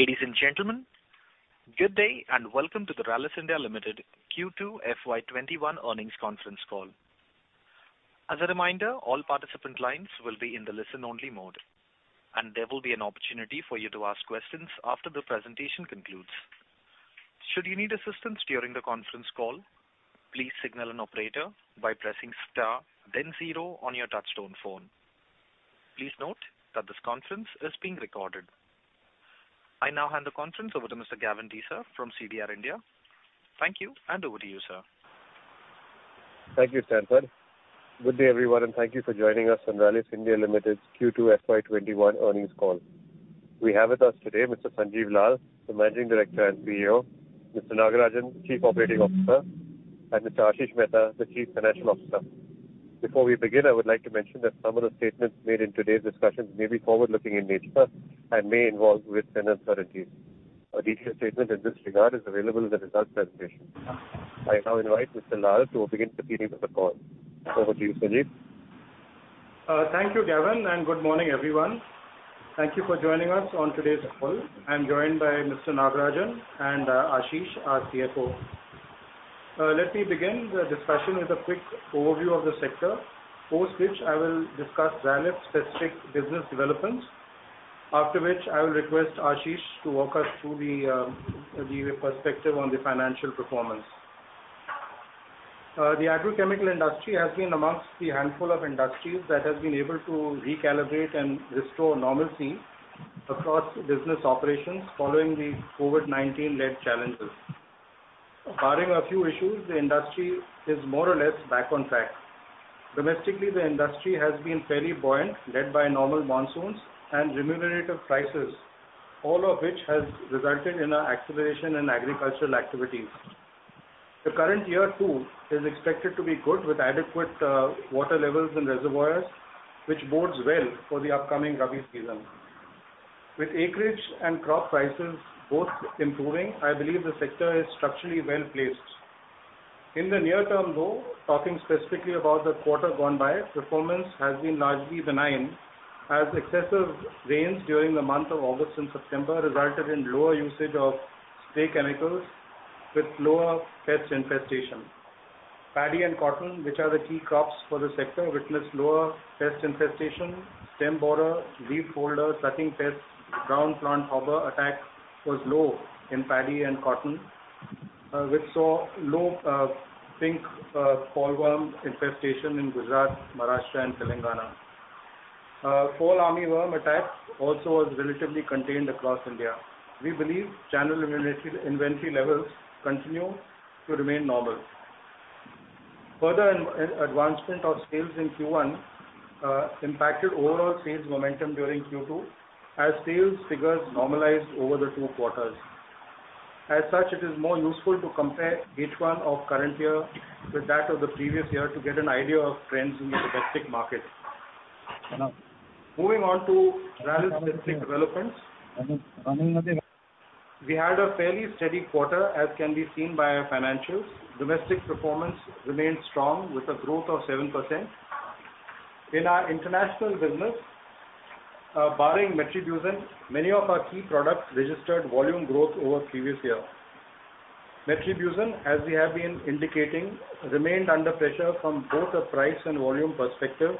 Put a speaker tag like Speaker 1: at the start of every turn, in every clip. Speaker 1: Ladies and gentlemen, good day, and welcome to the Rallis India Limited Q2 FY 2021 earnings conference call. As a reminder, all participant lines will be in the listen-only mode, and there will be an opportunity for you to ask questions after the presentation concludes. Should you need assistance during the conference call, please signal an operator by pressing star then zero on your touchtone phone. Please note that this conference is being recorded. I now hand the conference over to Mr. Gavin Desa from CDR India. Thank you, and over to you, sir.
Speaker 2: Thank you, Stanford. Good day, everyone, and thank you for joining us on Rallis India Limited Q2 FY 2021 earnings call. We have with us today Mr. Sanjiv Lal, the Managing Director & CEO, Mr. Nagarajan, Chief Operating Officer, and Mr. Ashish Mehta, the Chief Financial Officer. Before we begin, I would like to mention that some of the statements made in today's discussions may be forward-looking in nature and may involve certain uncertainties. A detailed statement in this regard is available in the results presentation. I now invite Mr. Lal to begin proceedings of the call. Over to you, Sanjiv.
Speaker 3: Thank you, Gavin, and good morning, everyone. Thank you for joining us on today's call. I'm joined by Mr. Nagarajan and Ashish, our CFO. Let me begin the discussion with a quick overview of the sector, post which I will discuss Rallis' specific business developments. After which I will request Ashish to walk us through the perspective on the financial performance. The agrochemical industry has been amongst the handful of industries that has been able to recalibrate and restore normalcy across business operations following the COVID-19-led challenges. Barring a few issues, the industry is more or less back on track. Domestically, the industry has been fairly buoyant, led by normal monsoons and remunerative prices, all of which has resulted in an acceleration in agricultural activities. The current year too is expected to be good with adequate water levels in reservoirs, which bodes well for the upcoming Rabi season. With acreage and crop prices both improving, I believe the sector is structurally well-placed. In the near term though, talking specifically about the quarter gone by, performance has been largely benign as excessive rains during the month of August and September resulted in lower usage of spray chemicals with lower pest infestation. Paddy and cotton, which are the key crops for the sector, witnessed lower pest infestation, stem borer, leaf folder, sucking pests, brown plant hopper attack was low in paddy and cotton, which saw low pink bollworm infestation in Gujarat, Maharashtra, and Telangana. Fall armyworm attacks also was relatively contained across India. We believe channel inventory levels continue to remain normal. Further advancement of sales in Q1 impacted overall sales momentum during Q2 as sales figures normalized over the two quarters. As such, it is more useful to compare H1 of current year with that of the previous year to get an idea of trends in the domestic market. Moving on to Rallis' specific developments. We had a fairly steady quarter, as can be seen by our financials. Domestic performance remained strong with a growth of 7%. In our international business, barring metribuzin, many of our key products registered volume growth over previous year. Metribuzin, as we have been indicating, remained under pressure from both a price and volume perspective,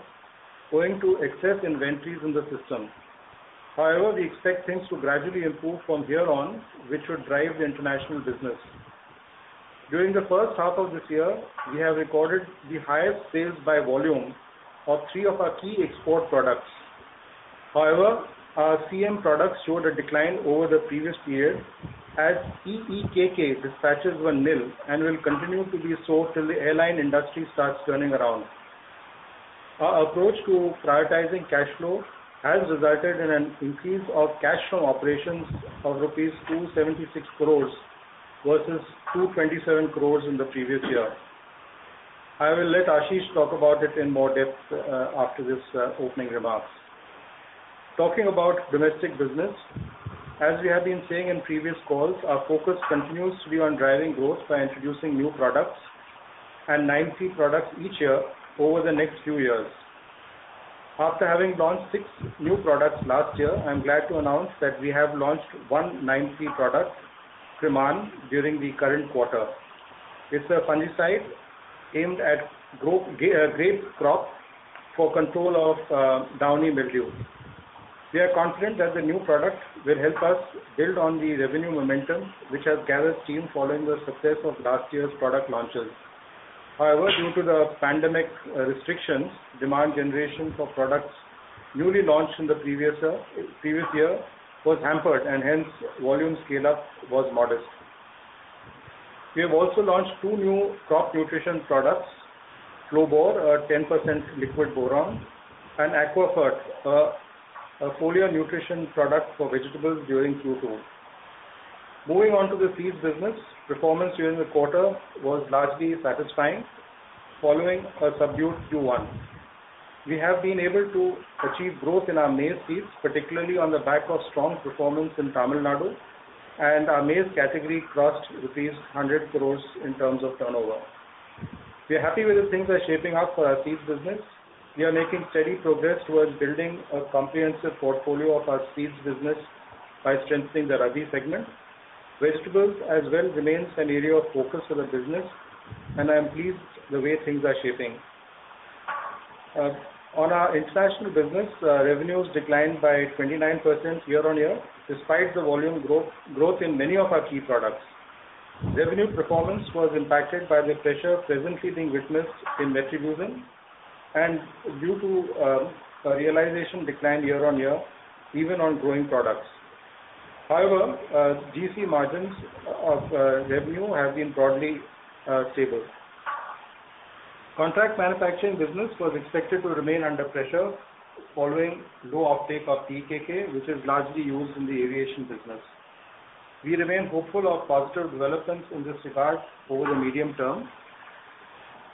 Speaker 3: owing to excess inventories in the system. However, we expect things to gradually improve from here on, which should drive the international business. During the first half of this year, we have recorded the highest sales by volume of three of our key export products. Our CM products showed a decline over the previous year as PEKK dispatches were nil and will continue to be so till the airline industry starts turning around. Our approach to prioritizing cash flow has resulted in an increase of cash from operations of rupees 276 crores versus 227 crores in the previous year. I will let Ashish talk about it in more depth after these opening remarks. Talking about domestic business, as we have been saying in previous calls, our focus continues to be on driving growth by introducing new products and nine key products each year over the next few years. After having launched six new products last year, I'm glad to announce that we have launched one nine key product, Premaan, during the current quarter. It's a fungicide aimed at grape crop for control of downy mildew. We are confident that the new product will help us build on the revenue momentum, which has gathered steam following the success of last year's product launches. However, due to the pandemic restrictions, demand generation for products newly launched in the previous year was hampered and hence volume scale-up was modest. We have also launched two new crop nutrition products, Flowbor, a 10% liquid boron, and Aquafert, a foliar nutrition product for vegetables during Q2. Moving on to the seeds business, performance during the quarter was largely satisfying following a subdued Q1. We have been able to achieve growth in our maize seeds, particularly on the back of strong performance in Tamil Nadu. And our maize category crossed rupees 100 crores in terms of turnover. We are happy with how things are shaping up for our seeds business. We are making steady progress towards building a comprehensive portfolio of our seeds business by strengthening the rabi segment. Vegetables as well remains an area of focus for the business, and I am pleased the way things are shaping. On our international business, revenues declined by 29% year-on-year despite the volume growth in many of our key products. Revenue performance was impacted by the pressure presently being witnessed in metribuzin, and due to realization decline year-on-year even on growing products. However, GC margins of revenue have been broadly stable. Contract manufacturing business was expected to remain under pressure following low uptake of PEKK, which is largely used in the aviation business. We remain hopeful of positive developments in this regard over the medium term.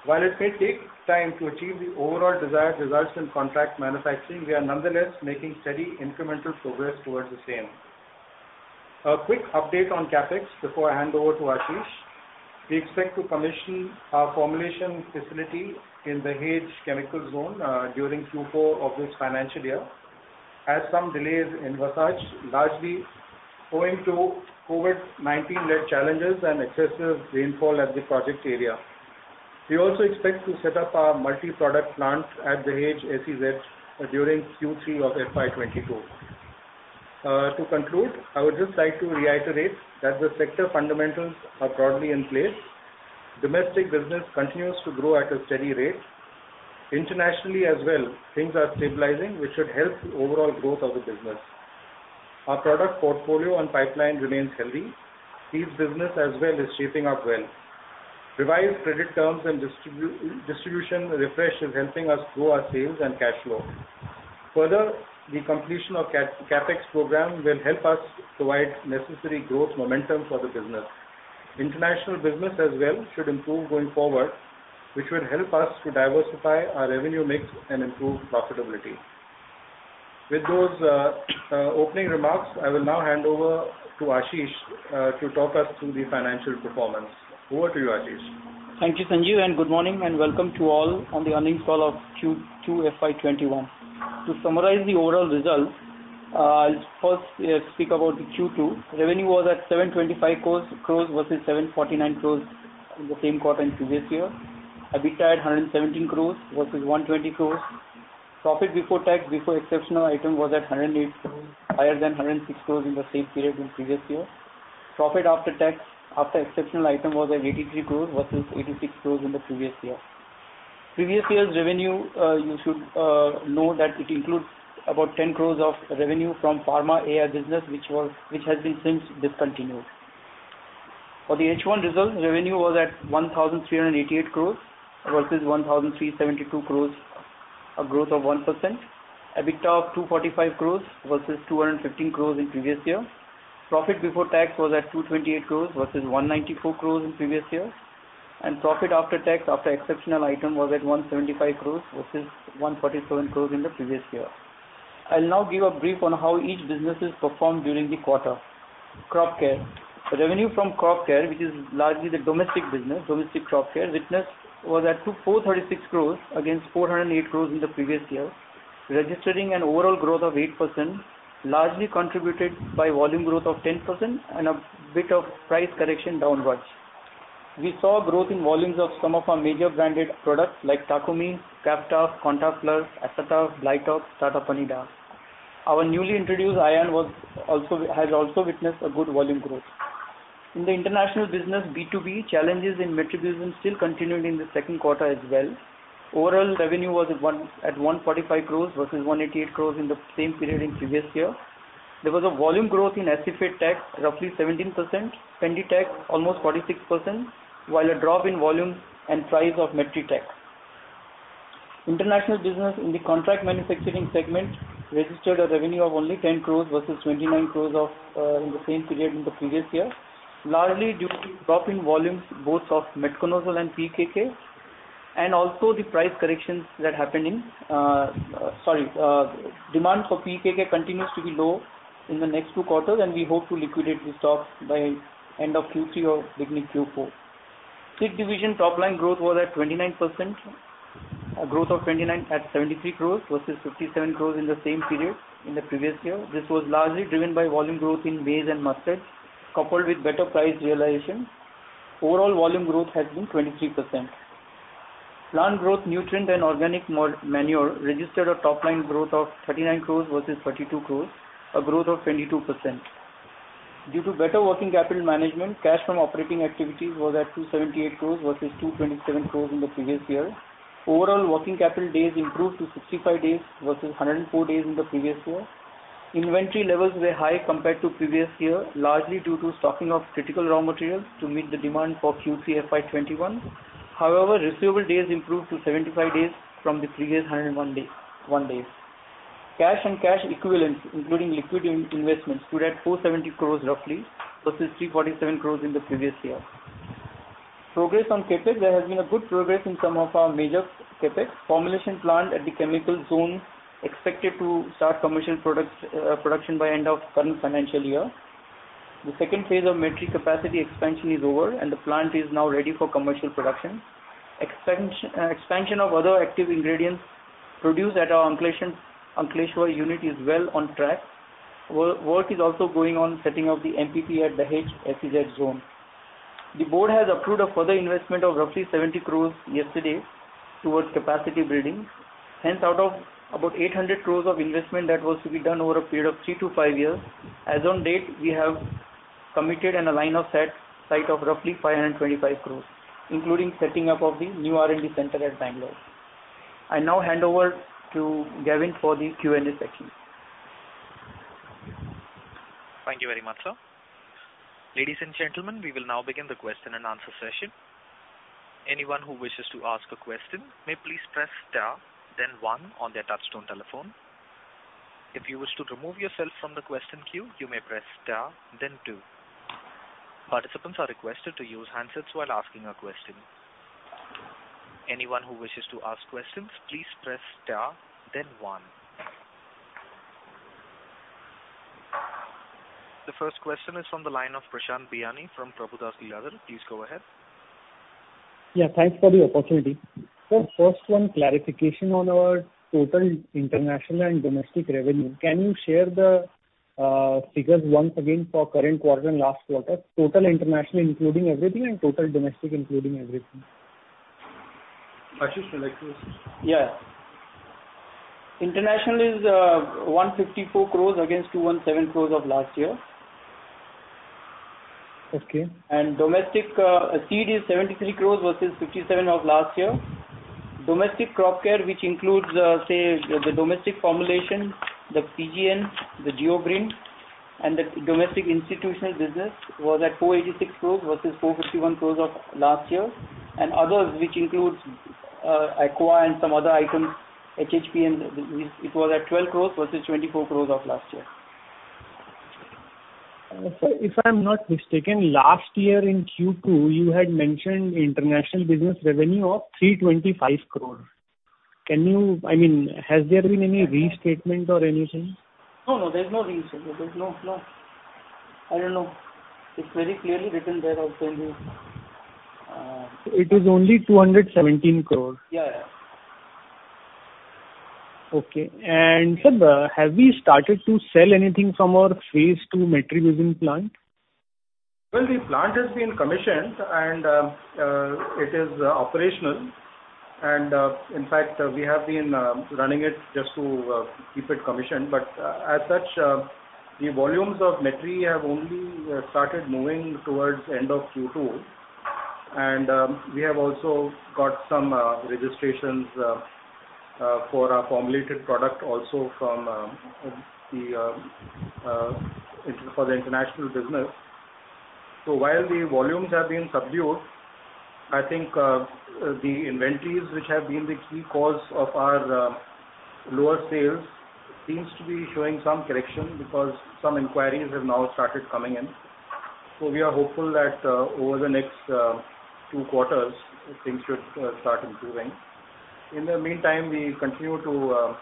Speaker 3: While it may take time to achieve the overall desired results in contract manufacturing, we are nonetheless making steady incremental progress towards the same. A quick update on CapEx before I hand over to Ashish. We expect to commission our formulation facility in the Dahej Chemical Zone during Q4 of this financial year. Had some delays in Vizag, largely owing to COVID-19-led challenges and excessive rainfall at the project area. We also expect to set up our multi-product plant at the Dahej SEZ during Q3 of FY 2022. To conclude, I would just like to reiterate that the sector fundamentals are broadly in place. Domestic business continues to grow at a steady rate. Internationally as well, things are stabilizing, which should help the overall growth of the business. Our product portfolio and pipeline remains healthy. Seeds business as well is shaping up well. Revised credit terms and distribution refresh is helping us grow our sales and cash flow. Further, the completion of CapEx program will help us provide necessary growth momentum for the business. International business as well should improve going forward, which will help us to diversify our revenue mix and improve profitability. With those opening remarks, I will now hand over to Ashish to talk us through the financial performance. Over to you, Ashish.
Speaker 4: Thank you, Sanjiv, and good morning and welcome to all on the earnings call of Q2 FY 2021. To summarize the overall results, I will first speak about the Q2. Revenue was at 725 crore versus 749 crore in the same quarter in previous year. EBITDA at 117 crore versus 120 crore. Profit before tax, before exceptional item was at 108 crore, higher than 106 crore in the same period in previous year. Profit after tax, after exceptional item was at 83 crore versus 86 crore in the previous year. Previous year's revenue, you should know that it includes about 10 crore of revenue from Pharma AI business, which has been since discontinued. For the H1 results, revenue was at 1,388 crore versus 1,372 crore, a growth of 1%. EBITDA of 245 crore versus 215 crore in previous year. Profit before tax was at 228 crore versus 194 crore in previous year. Profit after tax after exceptional item was at 175 crore versus 147 crore in the previous year. I will now give a brief on how each business has performed during the quarter. Crop Care. Revenue from Crop Care, which is largely the domestic business, domestic crop care, was at 436 crore against 408 crore in the previous year, registering an overall growth of 8%, largely contributed by volume growth of 10% and a bit of price correction downwards. We saw growth in volumes of some of our major branded products like Takumi, Captaf, Contaf Plus, Asataf, Blitox, Startap, Panida. Our newly introduced Ion has also witnessed a good volume growth. In the international business, B2B, challenges in metribuzin still continued in the second quarter as well. Overall revenue was at 145 crore versus 188 crore in the same period in previous year. There was a volume growth in acephate tech roughly 17%, pendimethalin tech almost 46%, while a drop in volumes and price of Metribuzin tech. International business in the contract manufacturing segment registered a revenue of only 10 crore versus 29 crore in the same period in the previous year, largely due to drop in volumes both of metconazole and PEKK and also the price corrections that happening. Sorry, demand for PEKK continues to be low in the next two quarters, and we hope to liquidate the stock by end of Q3 or beginning Q4. Seed division top line growth was at 29%, a growth of 29 at 73 crore versus 57 crore in the same period in the previous year. This was largely driven by volume growth in maize and mustard, coupled with better price realization. Overall volume growth has been 23%. Plant growth nutrient and organic manure registered a top line growth of 39 crore versus 32 crore, a growth of 22%. Due to better working capital management, cash from operating activities was at 278 crore versus 227 crore in the previous year. Overall working capital days improved to 65 days versus 104 days in the previous year. Inventory levels were high compared to previous year, largely due to stocking of critical raw materials to meet the demand for Q3 FY 2021. However, receivable days improved to 75 days from the previous 101 days. Cash and cash equivalents, including liquid investments, stood at 470 crore roughly, versus 347 crore in the previous year. Progress on CapEx. There has been a good progress in some of our major CapEx. Formulation plant at the Dahej Chemical Zone expected to start commercial production by end of current financial year. The second phase of Metribuzin capacity expansion is over, and the plant is now ready for commercial production. Expansion of other active ingredients produced at our Ankleshwar unit is well on track. Work is also going on setting up the MPP at Dahej SEZ zone. The board has approved a further investment of roughly 70 crore yesterday towards capacity building. Hence, out of about 800 crore of investment that was to be done over a period of three to five years, as on date, we have committed and a line of sight of roughly 525 crore, including setting up of the new R&D center at Bangalore. I now hand over to Gavin for the Q&A section.
Speaker 1: Thank you very much, sir. Ladies and gentlemen, we will now begin the question and answer session. Anyone who wishes to ask a question may please press star then one on their touchtone telephone. If you wish to remove yourself from the question queue, you may press star then two. Participants are requested to use handsets while asking a question. Anyone who wishes to ask questions, please press star then one. The first question is from the line of Prashant Biyani from Prabhudas Lilladher. Please go ahead.
Speaker 5: Thanks for the opportunity. Sir, first one clarification on our total international and domestic revenue. Can you share the figures once again for current quarter and last quarter? Total international, including everything, and total domestic, including everything.
Speaker 3: Ashish will explain.
Speaker 4: International is 154 crores against 217 crores of last year.
Speaker 5: Okay.
Speaker 4: Domestic seed is 73 crores versus 57 of last year. Domestic crop care, which includes, say, the domestic formulation, the PGN, the GeoGreen, and the domestic institutional business was at 486 crores versus 451 crores of last year. Others, which includes Aqua and some other items, HHP, it was at 12 crores versus 24 crores of last year.
Speaker 5: Sir, if I'm not mistaken, last year in Q2, you had mentioned international business revenue of 325 crores. Has there been any restatement or anything?
Speaker 4: No, there's no restatement. I don't know. It's very clearly written there also.
Speaker 3: It was only INR 217 crores.
Speaker 4: Yeah.
Speaker 5: Okay. Sir, have we started to sell anything from our phase 2 metribuzin plant?
Speaker 3: The plant has been commissioned, it is operational. In fact, we have been running it just to keep it commissioned. As such, the volumes of Metribuzin have only started moving towards end of Q2. We have also got some registrations for our formulated product also for the international business. While the volumes have been subdued, I think the inventories which have been the key cause of our lower sales seems to be showing some correction because some inquiries have now started coming in. We are hopeful that over the next two quarters, things should start improving. In the meantime, we continue to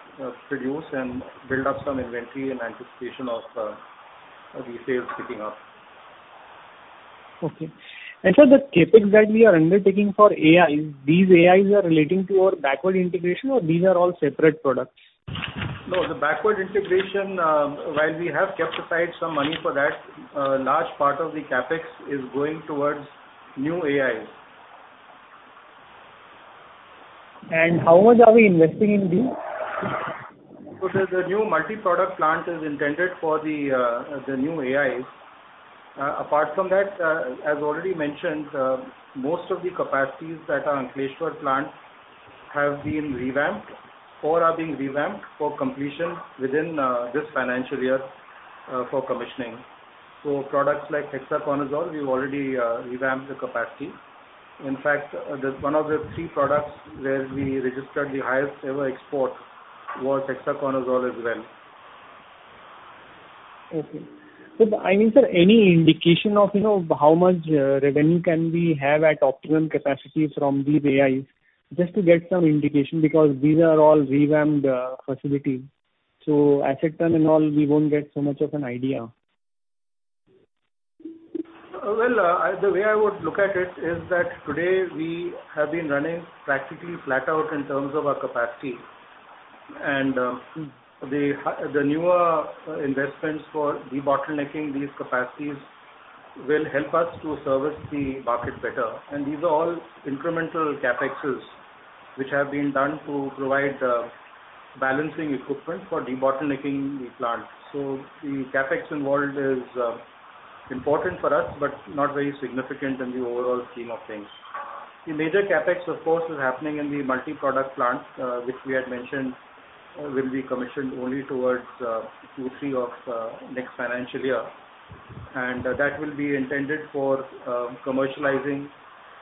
Speaker 3: produce and build up some inventory in anticipation of the sales picking up.
Speaker 5: Okay. Sir, the CapEx that we are undertaking for AIs, these AIs are relating to our backward integration, or these are all separate products?
Speaker 4: No, the backward integration, while we have kept aside some money for that, a large part of the CapEx is going towards new AIs.
Speaker 5: How much are we investing in these?
Speaker 4: The new multi-product plant is intended for the new AIs. Apart from that, as already mentioned, most of the capacities at our Ankleshwar plant have been revamped or are being revamped for completion within this financial year for commissioning. Products like tebuconazole, we've already revamped the capacity. In fact, one of the three products where we registered the highest ever export was tebuconazole as well.
Speaker 5: Okay. Sir, any indication of how much revenue can we have at optimum capacity from these AIs? Just to get some indication because these are all revamped facilities. Asset turn and all, we won't get so much of an idea.
Speaker 4: Well, the way I would look at it is that today we have been running practically flat out in terms of our capacity, and the newer investments for debottlenecking these capacities will help us to service the market better. These are all incremental CapExes, which have been done to provide balancing equipment for debottlenecking the plant. The CapEx involved is important for us, but not very significant in the overall scheme of things. The major CapEx, of course, is happening in the multi-product plant, which we had mentioned will be commissioned only towards Q3 of next financial year. That will be intended for commercializing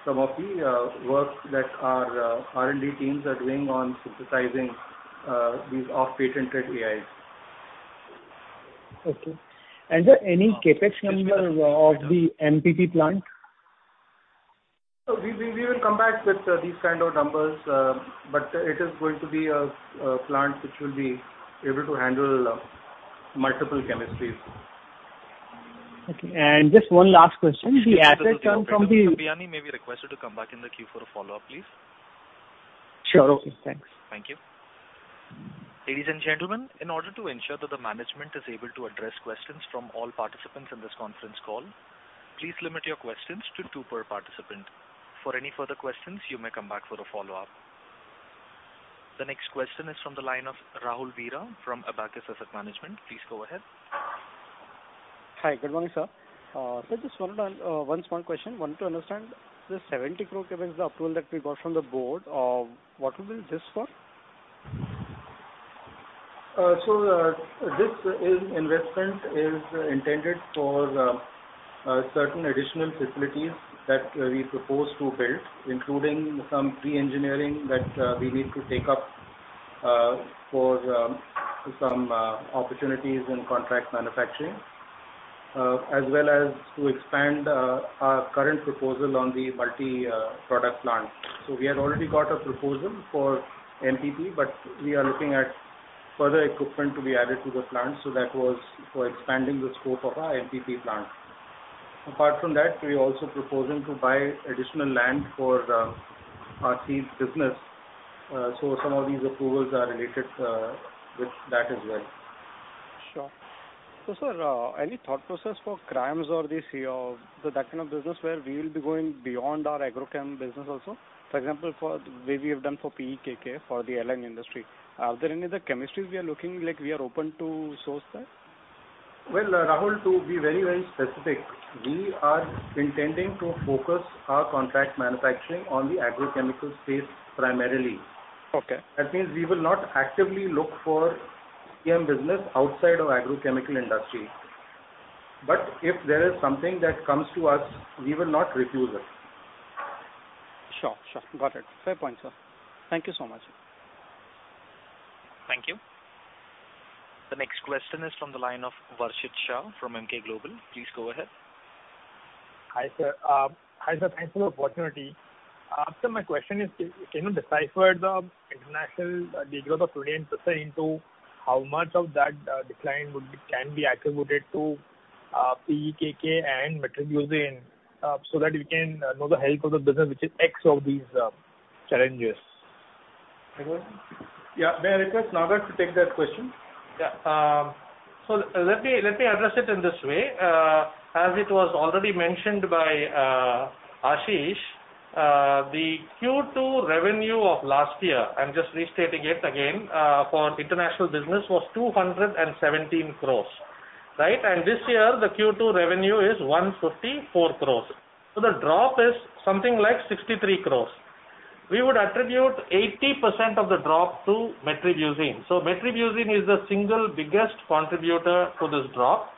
Speaker 4: some of the work that our R&D teams are doing on synthesizing these off-patented AIs.
Speaker 5: Okay. Sir, any CapEx number of the MPP plant?
Speaker 3: We will come back with these kind of numbers. It is going to be a plant which will be able to handle multiple chemistries.
Speaker 5: Okay. Just one last question. The asset from the-
Speaker 1: Mr. Biyani, may be requested to come back in the queue for a follow-up, please.
Speaker 5: Sure. Okay, thanks.
Speaker 1: Thank you. Ladies and gentlemen, in order to ensure that the management is able to address questions from all participants in this conference call, please limit your questions to two per participant. For any further questions, you may come back for a follow-up. The next question is from the line of Rahul Veera from Abakkus Asset Manager LLP. Please go ahead.
Speaker 6: Hi, good morning, sir. Sir, just one small question. Wanted to understand the 70 crore approval that we got from the board. What will be this for?
Speaker 3: This investment is intended for certain additional facilities that we propose to build, including some pre-engineering that we need to take up for some opportunities in contract manufacturing, as well as to expand our current proposal on the multi-product plant. We had already got a proposal for MPP, but we are looking at further equipment to be added to the plant. That was for expanding the scope of our MPP plant. Apart from that, we are also proposing to buy additional land for our seeds business. Some of these approvals are related with that as well.
Speaker 6: Sure. Sir, any thought process for CRAMS or that kind of business where we will be going beyond our agrochem business also? For example, the way we have done for PEKK for the airline industry. Are there any other chemistries we are looking, like we are open to source that?
Speaker 3: Well, Rahul, to be very specific, we are intending to focus our contract manufacturing on the agrochemical space primarily.
Speaker 6: Okay.
Speaker 3: We will not actively look for CM business outside of agrochemical industry. If there is something that comes to us, we will not refuse it.
Speaker 6: Sure. Got it. Fair point, sir. Thank you so much.
Speaker 1: Thank you. The next question is from the line of Varshit Shah from Emkay Global. Please go ahead.
Speaker 7: Hi, sir. Thanks for the opportunity. Sir, my question is, can you decipher the international de-growth of 20% into how much of that decline can be attributed to PEKK and metribuzin so that we can know the health of the business, which is X of these challenges?
Speaker 3: Yeah. May I request Nagar to take that question?
Speaker 8: Yeah. Let me address it in this way. As it was already mentioned by Ashish Mehta, the Q2 revenue of last year, I am just restating it again, for international business was 217 crores. Right? This year, the Q2 revenue is 154 crores. The drop is something like 63 crores. We would attribute 80% of the drop to metribuzin. Metribuzin is the single biggest contributor to this drop.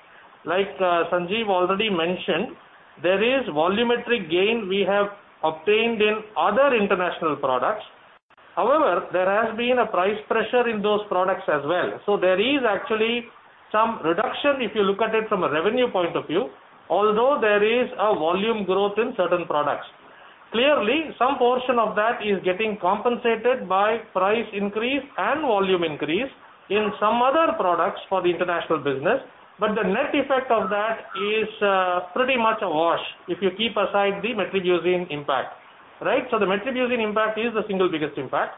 Speaker 8: Like Sanjiv Lal already mentioned, there is volumetric gain we have obtained in other international products. However, there has been a price pressure in those products as well. There is actually some reduction if you look at it from a revenue point of view, although there is a volume growth in certain products. Clearly, some portion of that is getting compensated by price increase and volume increase in some other products for the international business. The net effect of that is pretty much a wash if you keep aside the metribuzin impact. Right? The metribuzin impact is the single biggest impact.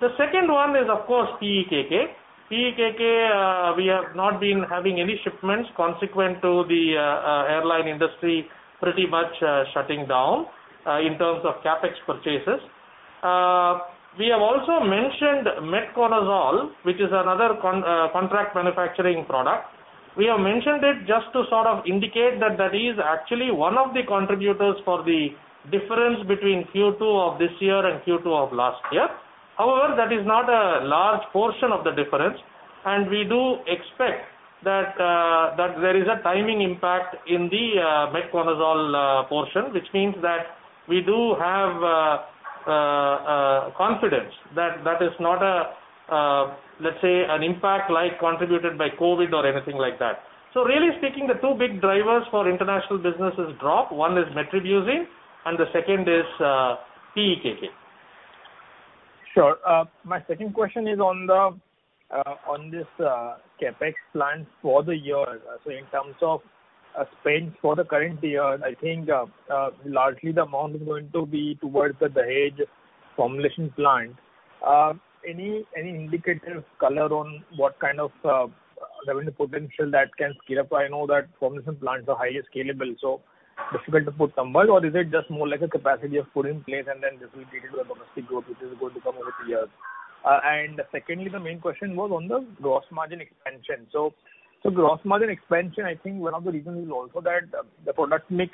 Speaker 8: The second one is, of course, PEKK. PEKK, we have not been having any shipments consequent to the airline industry pretty much shutting down in terms of CapEx purchases. We have also mentioned metconazole, which is another contract manufacturing product. We have mentioned it just to sort of indicate that is actually one of the contributors for the difference between Q2 of this year and Q2 of last year. However, that is not a large portion of the difference, and we do expect that there is a timing impact in the metconazole portion, which means that we do have confidence that is not, let us say, an impact like contributed by COVID-19 or anything like that. Really speaking, the two big drivers for international business's drop, one is Metribuzin and the second is PEKK.
Speaker 7: Sure. My second question is on this CapEx plan for the year. In terms of spend for the current year, I think largely the amount is going to be towards the Dahej formulation plant. Any indicative color on what kind of revenue potential that can scale up? I know that formulation plants are highly scalable, so difficult to put numbers, or is it just more like a capacity you have put in place, and then this will lead to a domestic growth which is going to come over the years. Secondly, the main question was on the gross margin expansion. Gross margin expansion, I think one of the reasons is also that the product mix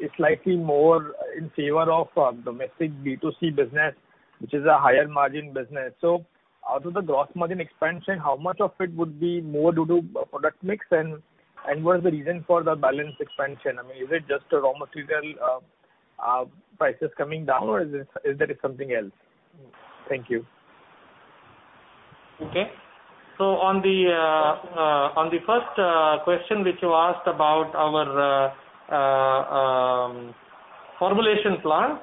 Speaker 7: is slightly more in favor of domestic B2C business, which is a higher margin business. Out of the gross margin expansion, how much of it would be more due to product mix? What is the reason for the balance expansion? I mean, is it just the raw material prices coming down, or is there something else?
Speaker 4: Thank you.
Speaker 8: Okay. On the first question, which you asked about our formulation plant.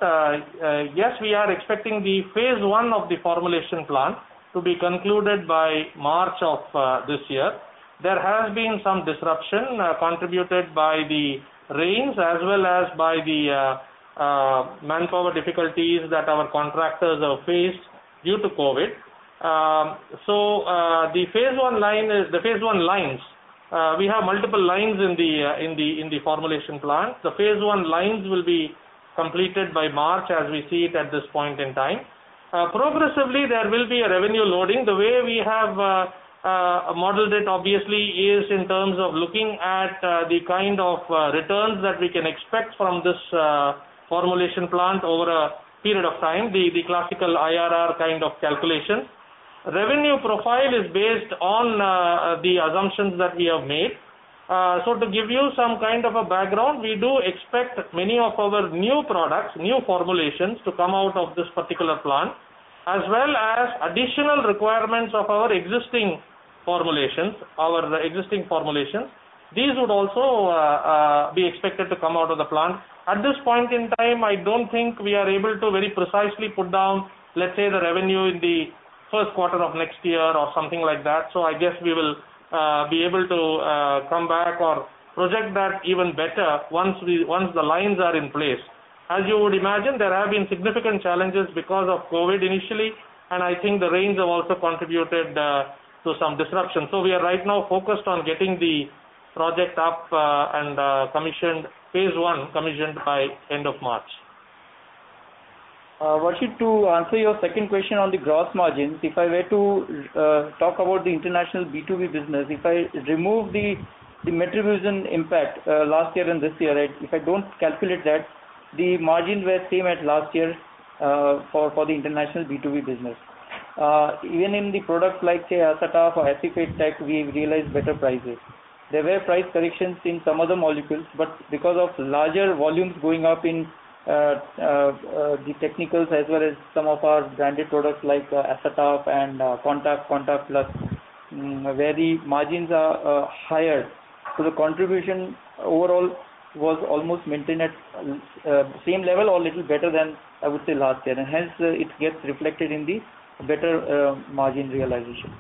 Speaker 8: Yes, we are expecting the phase 1 of the formulation plant to be concluded by March of this year. There has been some disruption contributed by the rains as well as by the manpower difficulties that our contractors have faced due to COVID-19. The phase 1 lines, we have multiple lines in the formulation plant. The phase 1 lines will be completed by March as we see it at this point in time. Progressively, there will be a revenue loading. The way we have modeled it obviously is in terms of looking at the kind of returns that we can expect from this formulation plant over a period of time, the classical IRR kind of calculation. Revenue profile is based on the assumptions that we have made. To give you some kind of a background, we do expect many of our new products, new formulations to come out of this particular plant, as well as additional requirements of our existing formulations. These would also be expected to come out of the plant. At this point in time, I don't think we are able to very precisely put down, let's say, the revenue in the first quarter of next year or something like that. I guess we will be able to come back or project that even better once the lines are in place. As you would imagine, there have been significant challenges because of COVID-19 initially, and I think the rains have also contributed to some disruption. We are right now focused on getting the project up and phase 1 commissioned by end of March.
Speaker 4: Varshit, to answer your second question on the gross margins. If I were to talk about the international B2B business, if I remove the metribuzin impact last year and this year, if I don't calculate that, the margin were same as last year for the international B2B business. Even in the product like, say, Asataf or acephate tech, we realized better prices. There were price corrections in some of the molecules, but because of larger volumes going up in the technicals as well as some of our branded products like Asataf and Contaf Plus, where the margins are higher. The contribution overall was almost maintained at same level or little better than, I would say, last year. Hence it gets reflected in the better margin realization.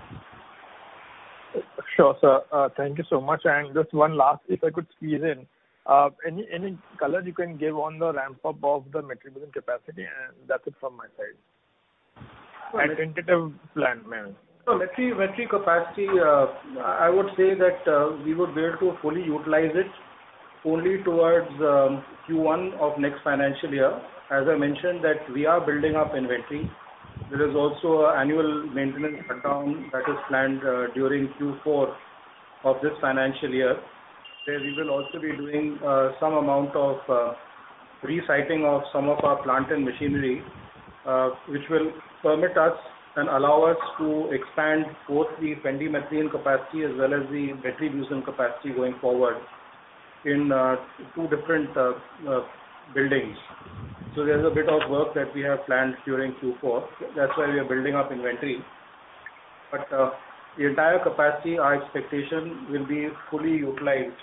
Speaker 7: Sure, sir. Thank you so much. Just one last, if I could squeeze in. Any color you can give on the ramp-up of the metribuzin capacity, that's it from my side. A tentative plan, maybe.
Speaker 8: Metribuzin capacity, I would say that we would be able to fully utilize it only towards Q1 of next financial year. As I mentioned that we are building up inventory. There is also annual maintenance shutdown that is planned during Q4 of this financial year, where we will also be doing some amount of resizing of some of our plant and machinery, which will permit us and allow us to expand both the pendimethalin capacity as well as the metribuzin capacity going forward in two different buildings. There is a bit of work that we have planned during Q4. That is why we are building up inventory. But the entire capacity, our expectation will be fully utilized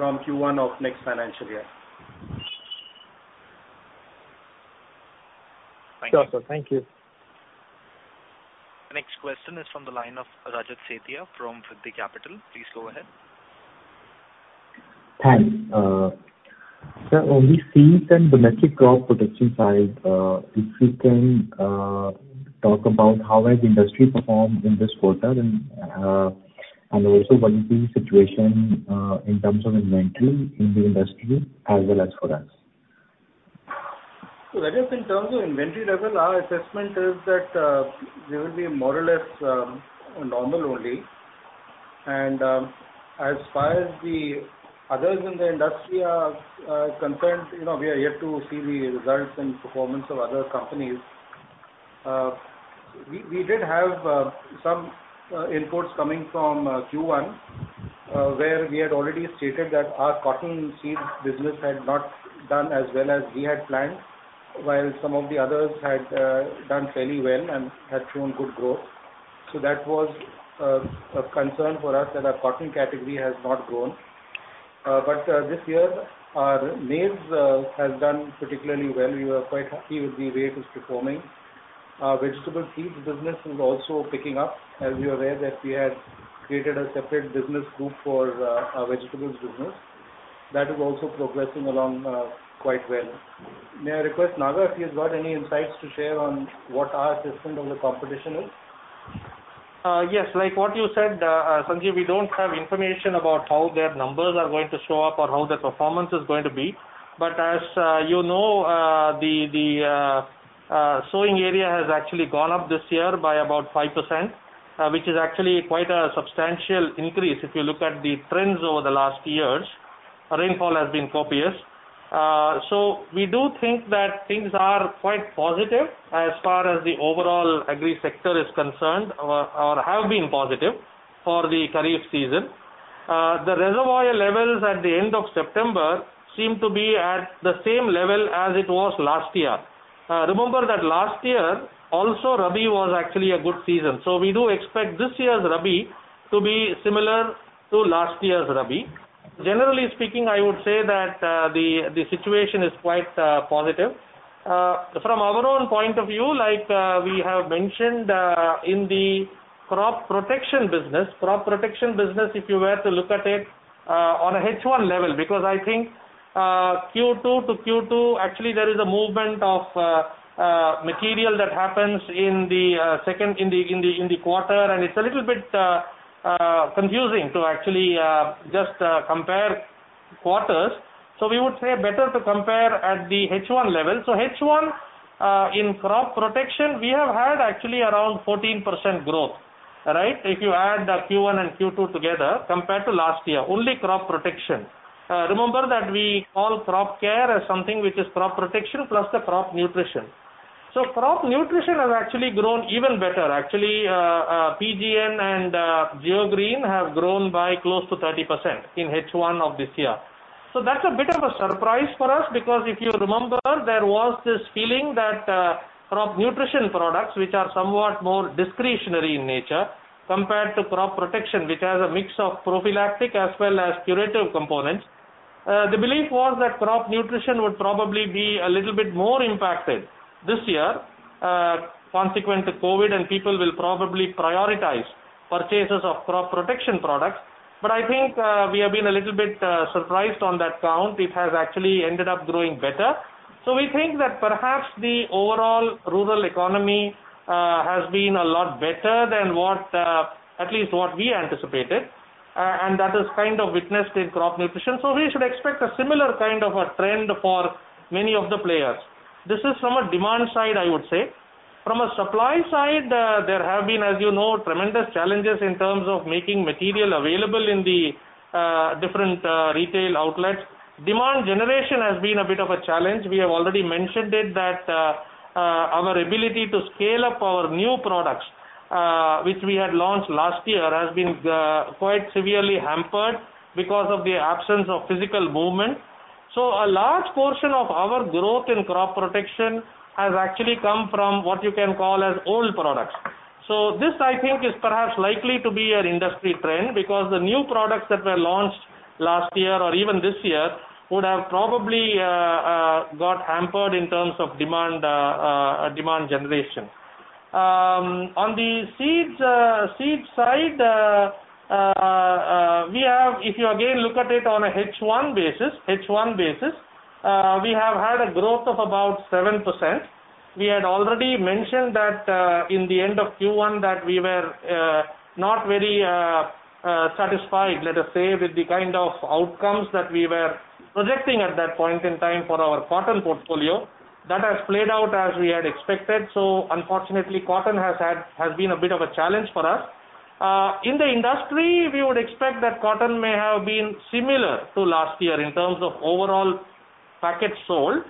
Speaker 8: from Q1 of next financial year.
Speaker 7: Sure, sir. Thank you.
Speaker 1: Next question is from the line of Rajat Sethia from Vriddhi Capital. Please go ahead.
Speaker 9: Thanks. Sir, on the seeds and the metribuzin crop protection side, if you can talk about how has industry performed in this quarter and also what is the situation in terms of inventory in the industry as well as for us.
Speaker 8: Rajat, in terms of inventory level, our assessment is that they will be more or less normal only. As far as the others in the industry are concerned, we are yet to see the results and performance of other companies. We did have some inputs coming from Q1, where we had already stated that our cotton seeds business had not done as well as we had planned, while some of the others had done fairly well and had shown good growth. That was a concern for us that our cotton category has not grown. This year, our maize has done particularly well. We were quite happy with the way it is performing. Our vegetable seeds business is also picking up. As you're aware that we had created a separate business group for our vegetables business. That is also progressing along quite well.
Speaker 3: May I request, Naga, if you've got any insights to share on what our assessment on the competition is?
Speaker 8: Yes, like what you said, Sanjiv, we don't have information about how their numbers are going to show up or how their performance is going to be. As you know, the sowing area has actually gone up this year by about 5%, which is actually quite a substantial increase if you look at the trends over the last years. Rainfall has been copious. We do think that things are quite positive as far as the overall agri sector is concerned, or have been positive for the kharif season. The reservoir levels at the end of September seem to be at the same level as it was last year. Remember that last year also, Rabi was actually a good season. We do expect this year's Rabi to be similar to last year's Rabi. Generally speaking, I would say that the situation is quite positive. From our own point of view, like we have mentioned, in the crop protection business, if you were to look at it on a H1 level, because I think Q2 to Q2, actually, there is a movement of material that happens in the quarter, and it's a little bit confusing to actually just compare quarters. We would say better to compare at the H1 level. H1, in crop protection, we have had actually around 14% growth. If you add Q1 and Q2 together compared to last year, only crop protection. Remember that we call crop care as something which is crop protection plus the crop nutrition. Crop nutrition has actually grown even better, actually. PGN and GeoGreen have grown by close to 30% in H1 of this year. That's a bit of a surprise for us because if you remember, there was this feeling that crop nutrition products, which are somewhat more discretionary in nature compared to crop protection, which has a mix of prophylactic as well as curative components. The belief was that crop nutrition would probably be a little bit more impacted this year, consequent to COVID, and people will probably prioritize purchases of crop protection products. I think we have been a little bit surprised on that count. It has actually ended up growing better. We think that perhaps the overall rural economy has been a lot better than at least what we anticipated. That is kind of witnessed in crop nutrition. We should expect a similar kind of a trend for many of the players. This is from a demand side, I would say. From a supply side, there have been, as you know, tremendous challenges in terms of making material available in the different retail outlets. Demand generation has been a bit of a challenge. We have already mentioned it that our ability to scale up our new products, which we had launched last year, has been quite severely hampered because of the absence of physical movement. A large portion of our growth in crop protection has actually come from what you can call as old products. This, I think, is perhaps likely to be an industry trend because the new products that were launched last year or even this year would have probably got hampered in terms of demand generation. On the seeds side, if you again look at it on a H1 basis, we have had a growth of about 7%. We had already mentioned that in the end of Q1 that we were not very satisfied, let us say, with the kind of outcomes that we were projecting at that point in time for our cotton portfolio. That has played out as we had expected. Unfortunately, cotton has been a bit of a challenge for us. In the industry, we would expect that cotton may have been similar to last year in terms of overall packets sold.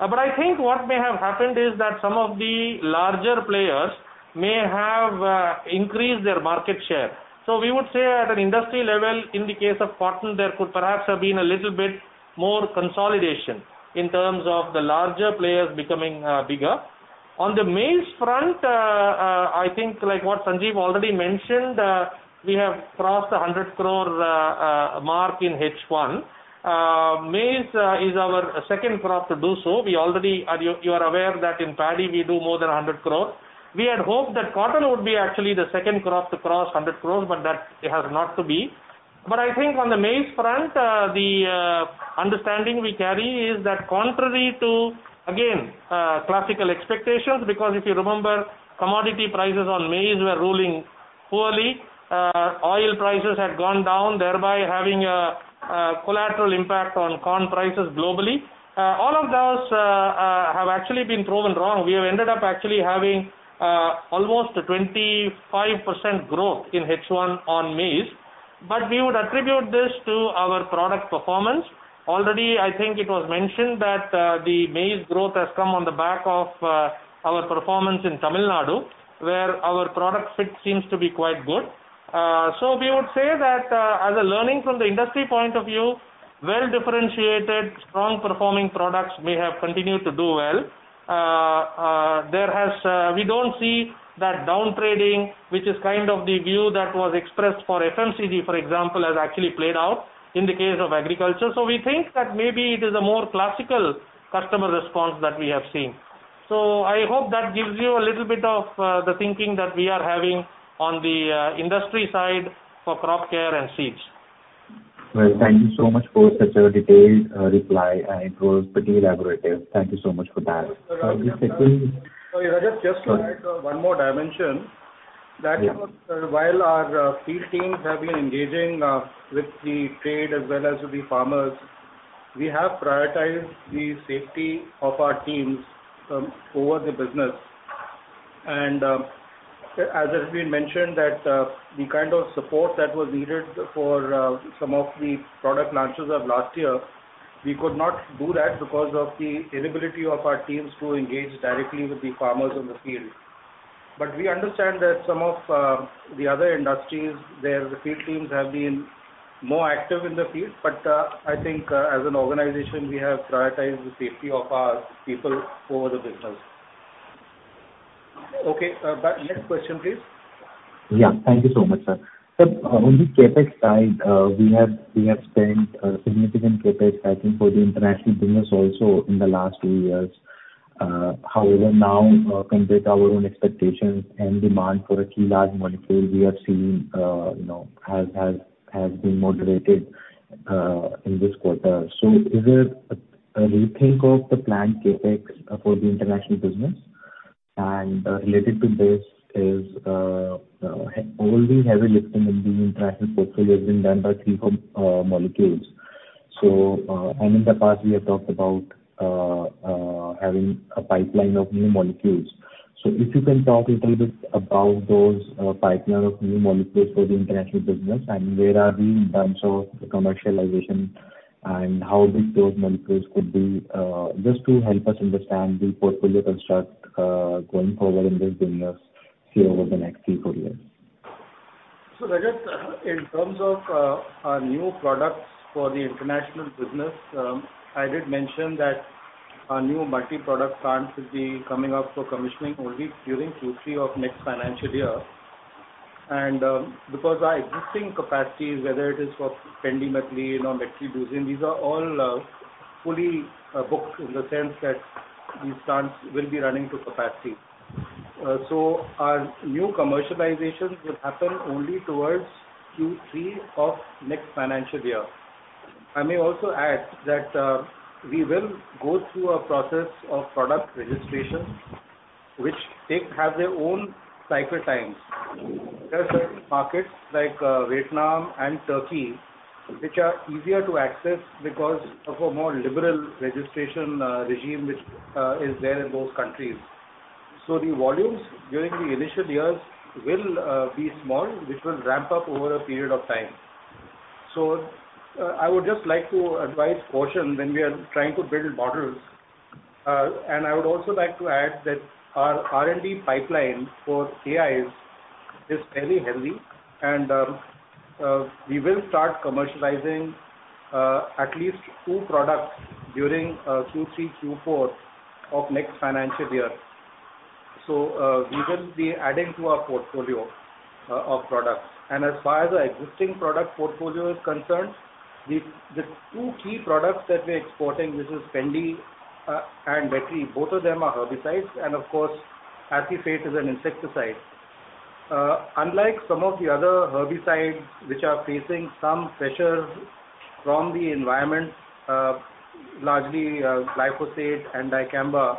Speaker 8: I think what may have happened is that some of the larger players may have increased their market share. We would say at an industry level, in the case of cotton, there could perhaps have been a little bit more consolidation in terms of the larger players becoming bigger. On the maize front, I think like what Sanjiv already mentioned, we have crossed 100 crore mark in H1. Maize is our second crop to do so. You are aware that in paddy, we do more than 100 crore. We had hoped that cotton would be actually the second crop to cross 100 crore, but that it has not to be. I think on the maize front, the understanding we carry is that contrary to, again, classical expectations, because if you remember, commodity prices on maize were ruling poorly. Oil prices had gone down, thereby having a collateral impact on corn prices globally. All of those have actually been proven wrong. We have ended up actually having almost 25% growth in H1 on maize, but we would attribute this to our product performance. Already, I think it was mentioned that the maize growth has come on the back of our performance in Tamil Nadu, where our product fit seems to be quite good. We would say that as a learning from the industry point of view, well-differentiated, strong-performing products may have continued to do well. We don't see that down trading, which is kind of the view that was expressed for FMCG, for example, has actually played out in the case of agriculture. We think that maybe it is a more classical customer response that we have seen. I hope that gives you a little bit of the thinking that we are having on the industry side for crop care and seeds.
Speaker 9: Well, thank you so much for such a detailed reply. It was pretty elaborative. Thank you so much for that.
Speaker 8: Just to add one more dimension, that while our field teams have been engaging with the trade as well as with the farmers, we have prioritized the safety of our teams over the business. As has been mentioned, that the kind of support that was needed for some of the product launches of last year, we could not do that because of the inability of our teams to engage directly with the farmers in the field.
Speaker 3: We understand that some of the other industries, their field teams have been more active in the field. I think as an organization, we have prioritized the safety of our people over the business.
Speaker 8: Okay. Next question, please.
Speaker 9: Thank you so much, sir. On the CapEx side, we have spent significant CapEx, I think for the international business also in the last two years. However, now compared to our own expectations and demand for a key large molecule, we are seeing has been moderated in this quarter. Is there a rethink of the planned CapEx for the international business? Related to this is, all the heavy lifting in the international portfolio has been done by three core molecules. In the past, we have talked about having a pipeline of new molecules. If you can talk a little bit about those pipeline of new molecules for the international business, and where are we in terms of the commercialization and how these molecules could be, just to help us understand the portfolio construct going forward in this business here over the next three, four years.
Speaker 3: Rajat, in terms of our new products for the international business, I did mention that our new multi-product plant will be coming up for commissioning only during Q3 of next financial year. Because our existing capacities, whether it is for pendimethalin or metribuzin, these are all fully booked in the sense that these plants will be running to capacity. Our new commercialization will happen only towards Q3 of next financial year. I may also add that we will go through a process of product registration, which have their own cycle times. There are certain markets like Vietnam and Turkey, which are easier to access because of a more liberal registration regime which is there in those countries. The volumes during the initial years will be small, which will ramp up over a period of time. I would just like to advise caution when we are trying to build models. I would also like to add that our R&D pipeline for AIs is very healthy, and we will start commercializing at least two products during Q3, Q4 of next financial year. We will be adding to our portfolio of products. As far as our existing product portfolio is concerned, the two key products that we're exporting, which is Pendimethalin and Metribuzin, both of them are herbicides. Of course, acephate is an insecticide. Unlike some of the other herbicides which are facing some pressures from the environment, largely glyphosate and dicamba,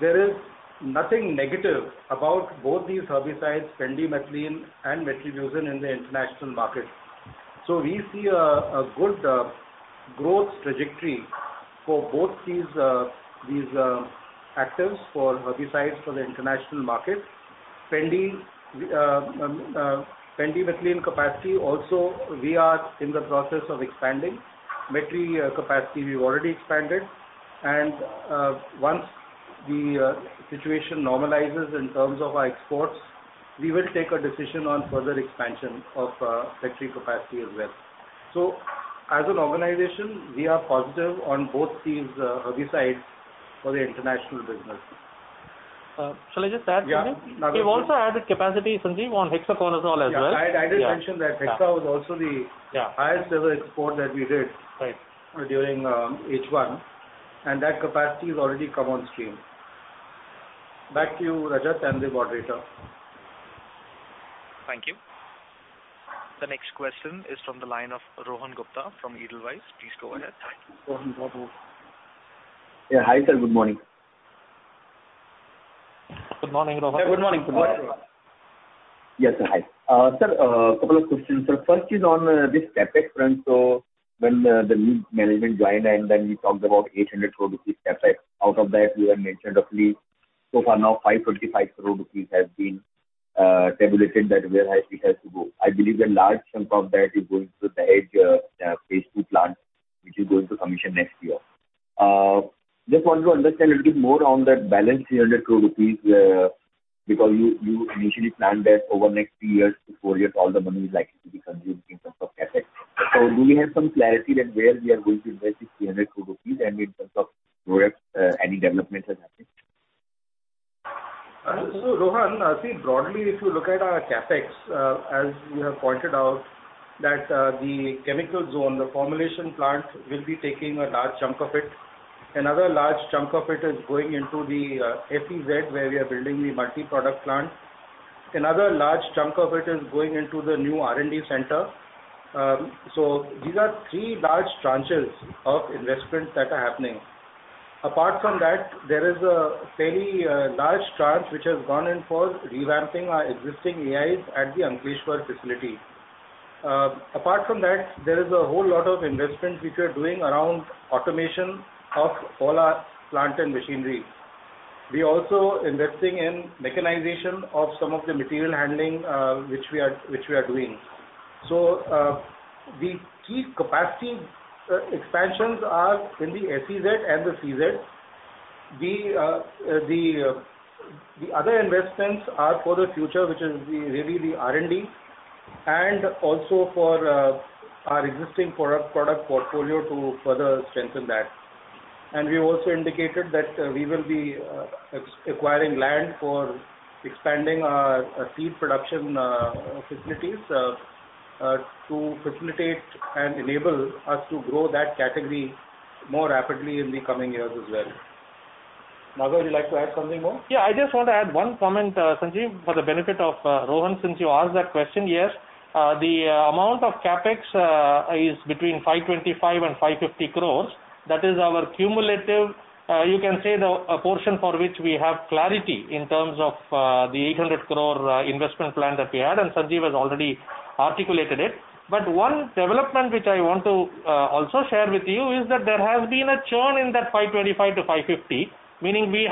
Speaker 3: there is nothing negative about both these herbicides, pendimethalin and metribuzin in the international market. We see a good growth trajectory for both these actives for herbicides for the international market. Pendimethalin capacity also, we are in the process of expanding. Metri capacity, we've already expanded. Once the situation normalizes in terms of our exports, we will take a decision on further expansion of Metribuzin capacity as well. As an organization, we are positive on both these herbicides for the international business.
Speaker 8: Shall I just add something?
Speaker 3: Yeah.
Speaker 8: We've also added capacity, Sanjiv, on hexaconazole as well.
Speaker 3: Yeah. I did mention that hexaconazole was also the highest ever export that we did-
Speaker 8: Right
Speaker 3: during H1, that capacity has already come on stream. Back to you, Rajat and the moderator.
Speaker 8: Thank you.
Speaker 1: The next question is from the line of Rohan Gupta from Edelweiss. Please go ahead.
Speaker 3: Rohan Gupta.
Speaker 10: Yeah. Hi, sir. Good morning.
Speaker 3: Good morning, Rohan.
Speaker 8: Good morning.
Speaker 10: Yes, sir. Hi. Sir, a couple of questions. Sir, first is on this CapEx front. When the new management joined and then you talked about 800 crore rupees CapEx. Out of that, you had mentioned roughly, so far now 525 crore rupees has been tabulated that where SEZ has to go. I believe a large chunk of that is going to the Dahej SEZ phase two plant, which is going to commission next year. Just want to understand a little bit more on that balance 300 crore rupees because you initially planned that over next 3 years-4 years, all the money is likely to be consumed in terms of CapEx. Do we have some clarity that where we are going to invest this 300 crore rupees and in terms of projects, any developments that happened?
Speaker 3: Rohan, see broadly if you look at our CapEx, as you have pointed out that the Chemical Zone, the formulation plant will be taking a large chunk of it. Another large chunk of it is going into the SEZ where we are building the multi-product plant. Another large chunk of it is going into the new R&D center. These are three large tranches of investments that are happening. Apart from that, there is a fairly large tranche which has gone in for revamping our existing AIs at the Ankleshwar facility. Apart from that, there is a whole lot of investment which we are doing around automation of all our plant and machinery. We also investing in mechanization of some of the material handling which we are doing. The key capacity expansions are in the SEZ and the CZ. The other investments are for the future, which is really the R&D, and also for our existing product portfolio to further strengthen that. We've also indicated that we will be acquiring land for expanding our seed production facilities to facilitate and enable us to grow that category more rapidly in the coming years as well.
Speaker 1: Nagar, would you like to add something more?
Speaker 8: I just want to add one comment, Sanjiv, for the benefit of Rohan, since you asked that question. Yes, the amount of CapEx is between 525 crore and 550 crore. That is our cumulative, you can say, the portion for which we have clarity in terms of the 800 crore investment plan that we had, and Sanjiv has already articulated it. One development which I want to also share with you is that there has been a churn in that 525-550, meaning when we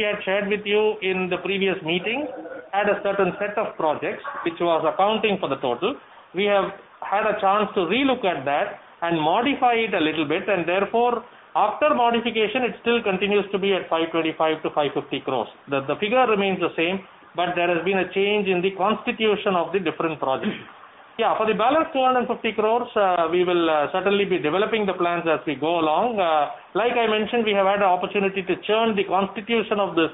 Speaker 8: had shared with you in the previous meeting, had a certain set of projects which was accounting for the total. We have had a chance to relook at that and modify it a little bit, and therefore, after modification, it still continues to be at 525 crore-550 crore. The figure remains the same, there has been a change in the constitution of the different projects. For the balance 250 crore, we will certainly be developing the plans as we go along. Like I mentioned, we have had an opportunity to churn the constitution of this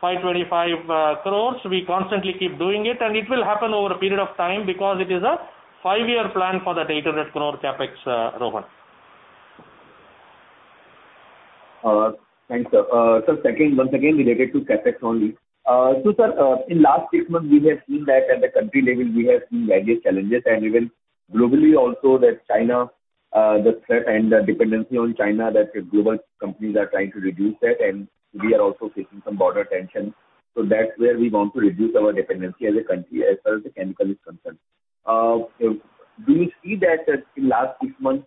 Speaker 8: 525 crore. We constantly keep doing it, and it will happen over a period of time because it is a five-year plan for that 800 crore CapEx, Rohan.
Speaker 10: Thanks. Sir, once again, related to CapEx only. Sir, in last six months, we have seen that at the country level, we have seen various challenges and even globally also that China, the threat and the dependency on China, that global companies are trying to reduce that, we are also facing some border tension. That's where we want to reduce our dependency as a country as far as the chemical is concerned. Do you see that in last six months,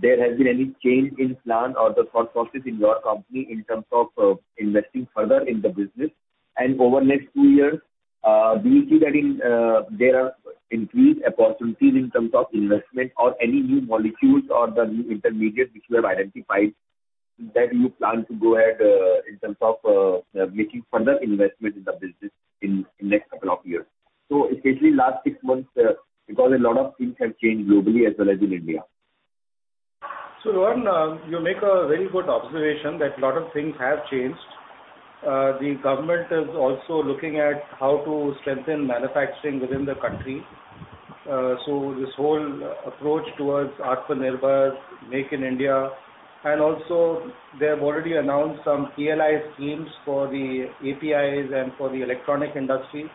Speaker 10: there has been any change in plan or the thought process in your company in terms of investing further in the business? Over next two years, do you see that there are increased opportunities in terms of investment or any new molecules or the new intermediates which you have identified that you plan to go ahead in terms of making further investment in the business in next couple of years? Essentially last six months, because a lot of things have changed globally as well as in India.
Speaker 3: Rohan, you make a very good observation that a lot of things have changed. The government is also looking at how to strengthen manufacturing within the country. This whole approach towards Atmanirbhar, Make in India, and also they have already announced some PLI schemes for the APIs and for the electronic industry.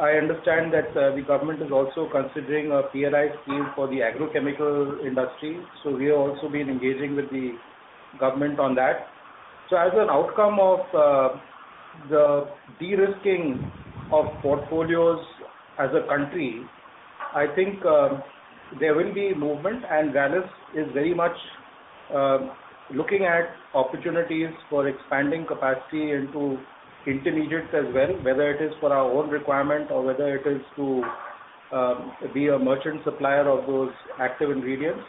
Speaker 3: I understand that the government is also considering a PLI scheme for the agrochemical industry. We have also been engaging with the government on that. As an outcome of the de-risking of portfolios as a country, I think there will be movement, and Rallis is very much looking at opportunities for expanding capacity into intermediates as well, whether it is for our own requirement or whether it is to be a merchant supplier of those active ingredients.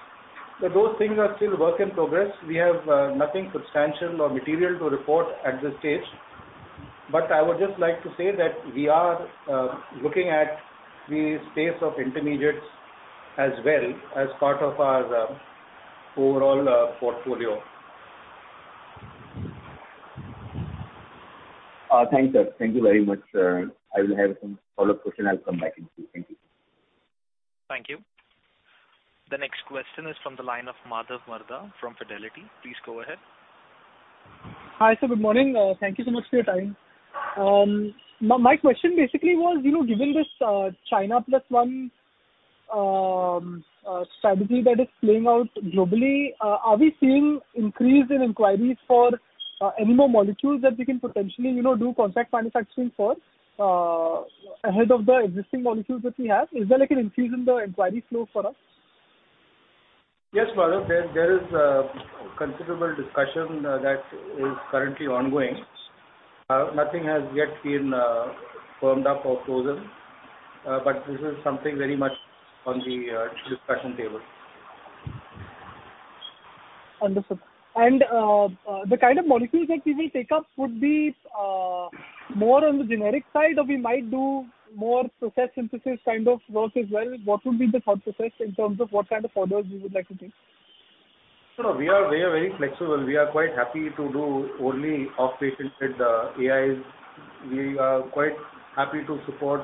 Speaker 3: Those things are still work in progress. We have nothing substantial or material to report at this stage. I would just like to say that we are looking at the space of intermediates as well as part of our overall portfolio.
Speaker 10: Thanks, sir. Thank you very much. I will have some follow-up questions. I'll come back to you. Thank you.
Speaker 1: Thank you. The next question is from the line of Madhav Marda from Fidelity. Please go ahead.
Speaker 11: Hi, sir. Good morning. Thank you so much for your time. My question basically was, given this China Plus One strategy that is playing out globally, are we seeing increase in inquiries for any more molecules that we can potentially do contract manufacturing for ahead of the existing molecules which we have? Is there an increase in the inquiry flow for us?
Speaker 3: Yes, Madhav, there is considerable discussion that is currently ongoing. Nothing has yet been firmed up or closed. This is something very much on the discussion table.
Speaker 11: Understood. The kind of molecules that we will take up would be more on the generic side, or we might do more process synthesis kind of work as well. What would be the thought process in terms of what kind of orders we would like to take?
Speaker 3: We are very flexible. We are quite happy to do only off-patent with the AIs. We are quite happy to support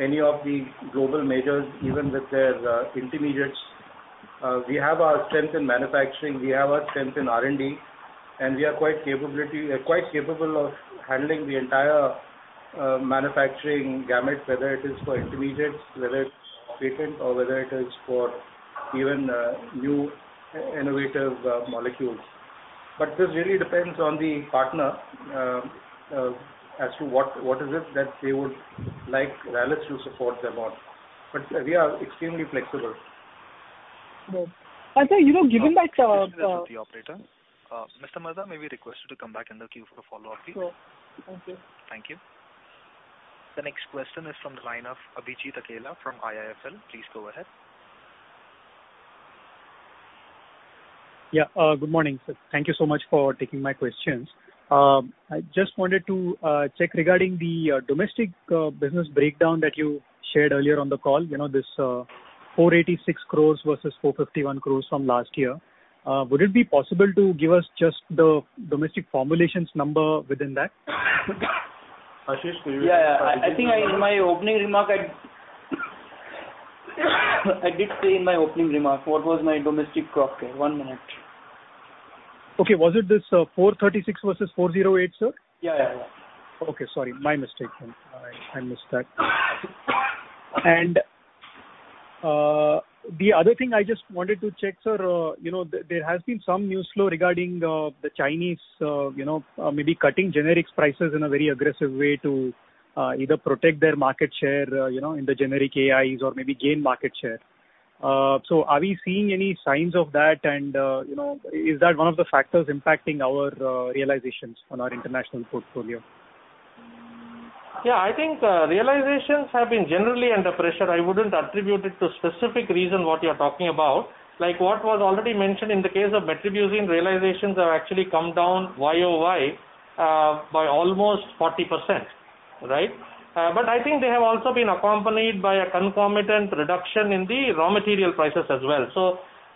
Speaker 3: any of the global majors, even with their intermediates. We have our strength in manufacturing, we have our strength in R&D, and we are quite capable of handling the entire manufacturing gamut, whether it is for intermediates, whether it's patent, or whether it is for even new innovative molecules. This really depends on the partner as to what is it that they would like Rallis to support them on. We are extremely flexible.
Speaker 11: Good. You know.
Speaker 1: This is the operator. Mr. Madhav, may we request you to come back in the queue for follow-up please.
Speaker 11: Sure. Thank you.
Speaker 1: Thank you. The next question is from the line of Abhijit Akella from IIFL. Please go ahead.
Speaker 12: Yeah. Good morning, sir. Thank you so much for taking my questions. I just wanted to check regarding the domestic business breakdown that you shared earlier on the call. This 486 crore versus 451 crore from last year. Would it be possible to give us just the domestic formulations number within that?
Speaker 3: Ashish, can you- Yeah. I think I did say in my opening remark what was my domestic crop. One minute.
Speaker 12: Okay. Was it this 436 versus 408, sir?
Speaker 3: Yeah.
Speaker 12: Okay. Sorry. My mistake. I missed that. The other thing I just wanted to check, sir, there has been some news flow regarding the Chinese maybe cutting generics prices in a very aggressive way to either protect their market share in the generic AIs or maybe gain market share. Are we seeing any signs of that and is that one of the factors impacting our realizations on our international portfolio?
Speaker 3: Yeah, I think realizations have been generally under pressure. I wouldn't attribute it to specific reason what you're talking about. Like what was already mentioned in the case of Metribuzin, realizations have actually come down Y-o-Y, by almost 40%. I think they have also been accompanied by a concomitant reduction in the raw material prices as well.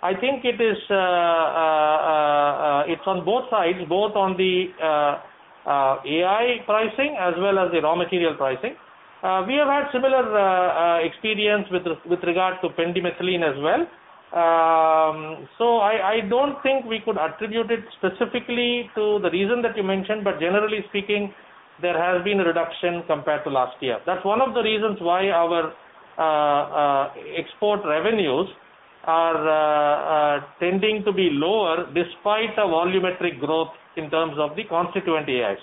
Speaker 3: I think it's on both sides, both on the AI pricing as well as the raw material pricing. We have had similar experience with regard to Pendimethalin as well. I don't think we could attribute it specifically to the reason that you mentioned, but generally speaking, there has been a reduction compared to last year. That's one of the reasons why our export revenues are tending to be lower despite a volumetric growth in terms of the constituent AIs.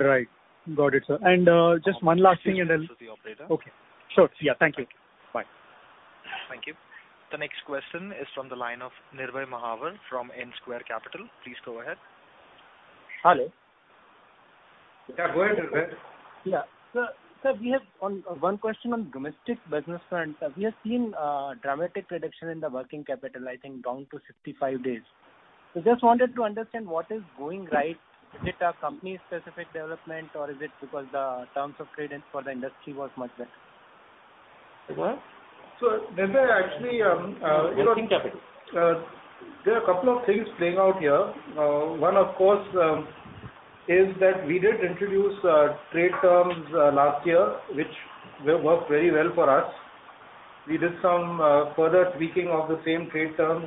Speaker 12: Right. Got it, sir. Just one last thing.
Speaker 1: This is the operator.
Speaker 12: Okay, sure. Yeah. Thank you. Bye.
Speaker 1: Thank you. The next question is from the line of Nirbhay Mahawar from N Square Capital. Please go ahead.
Speaker 13: Hello.
Speaker 3: Yeah, go ahead, Nirbhay.
Speaker 13: Yeah. Sir, we have one question on domestic business front. We have seen a dramatic reduction in the working capital, I think down to 65 days. Just wanted to understand what is going right. Is it a company-specific development or is it because the terms of trade for the industry was much better?
Speaker 3: Nirbhay, actually.
Speaker 13: Working capital.
Speaker 3: There are a couple of things playing out here. One, of course, is that we did introduce trade terms last year, which worked very well for us. We did some further tweaking of the same trade terms,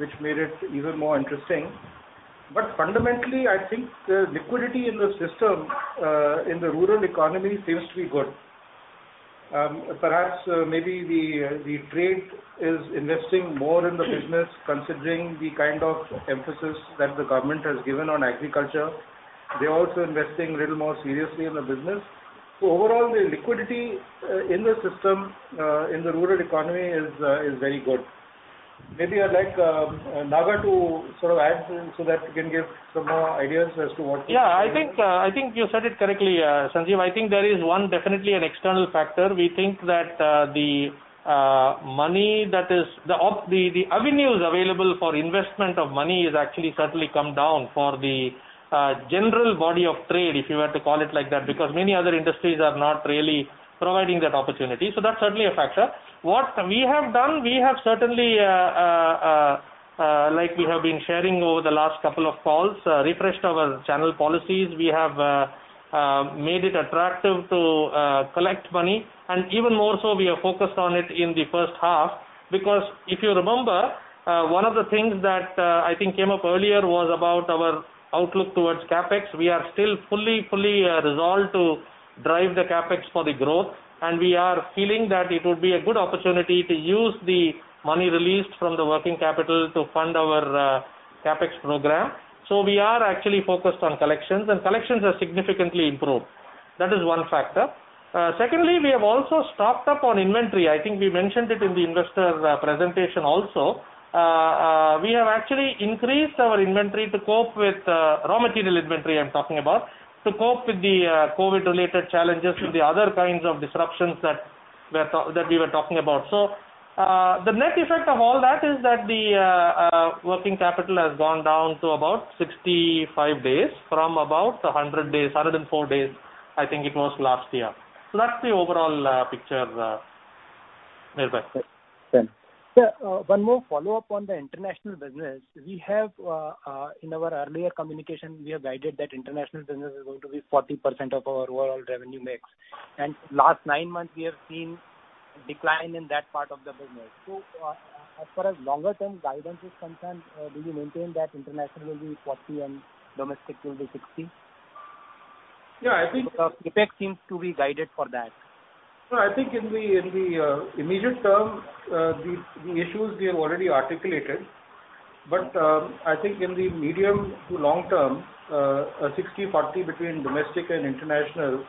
Speaker 3: which made it even more interesting. Fundamentally, I think the liquidity in the system, in the rural economy seems to be good. Perhaps maybe the trade is investing more in the business considering the kind of emphasis that the government has given on agriculture. They're also investing little more seriously in the business. Overall, the liquidity in the system, in the rural economy is very good. Maybe I'd like Naga to sort of add so that we can give some more ideas as to what.
Speaker 8: Yeah, I think you said it correctly, Sanjiv. I think there is one definitely an external factor. We think that the avenues available for investment of money is actually certainly come down for the general body of trade, if you were to call it like that, because many other industries are not really providing that opportunity. That's certainly a factor. What we have done, we have certainly, like we have been sharing over the last couple of calls, refreshed our channel policies. We have made it attractive to collect money and even more so we are focused on it in the first half because if you remember, one of the things that I think came up earlier was about our outlook towards CapEx. We are still fully resolved to drive the CapEx for the growth. We are feeling that it would be a good opportunity to use the money released from the working capital to fund our CapEx program. We are actually focused on collections. Collections have significantly improved. That is one factor. Secondly, we have also stocked up on inventory. I think we mentioned it in the investor presentation also. We have actually increased our inventory to cope with, raw material inventory I'm talking about, to cope with the COVID-related challenges and the other kinds of disruptions that we were talking about. The net effect of all that is that the working capital has gone down to about 65 days from about 100 days, 104 days, I think it was last year. That's the overall picture, Nirbhay.
Speaker 13: Sir, one more follow-up on the international business. In our earlier communication, we have guided that international business is going to be 40% of our overall revenue mix. Last nine months we have seen decline in that part of the business. As far as longer-term guidance is concerned, do you maintain that international will be 40 and domestic will be 60?
Speaker 3: Yeah.
Speaker 13: CapEx seems to be guided for that.
Speaker 3: I think in the immediate term, the issues we have already articulated. I think in the medium to long term, 60/40 between domestic and international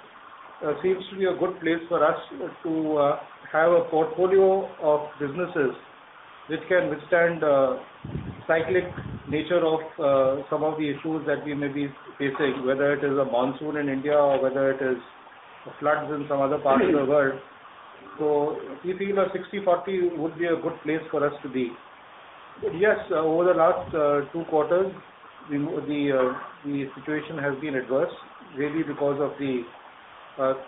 Speaker 3: seems to be a good place for us to have a portfolio of businesses that can withstand the cyclic nature of some of the issues that we may be facing, whether it is a monsoon in India or whether it is floods in some other parts of the world. We feel a 60/40 would be a good place for us to be. Yes, over the last two quarters, the situation has been adverse, really because of the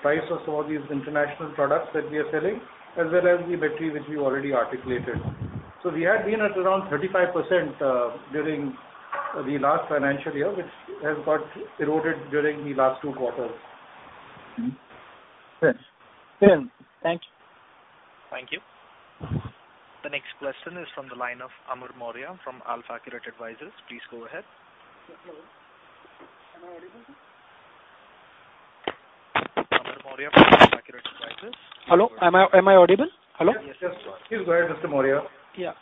Speaker 3: price of some of these international products that we are selling, as well as the Metri which we already articulated. We had been at around 35% during the last financial year, which has got eroded during the last two quarters.
Speaker 14: Thanks.
Speaker 1: Thank you. The next question is from the line of Amar Maurya from AlfAccurate Advisors. Please go ahead.
Speaker 14: Hello. Am I audible?
Speaker 1: Aniruddha Maurya from AlfAccurate Advisors.
Speaker 14: Hello? Am I audible? Hello?
Speaker 3: Yes. Please go ahead, Mr. Maurya.
Speaker 14: Yeah.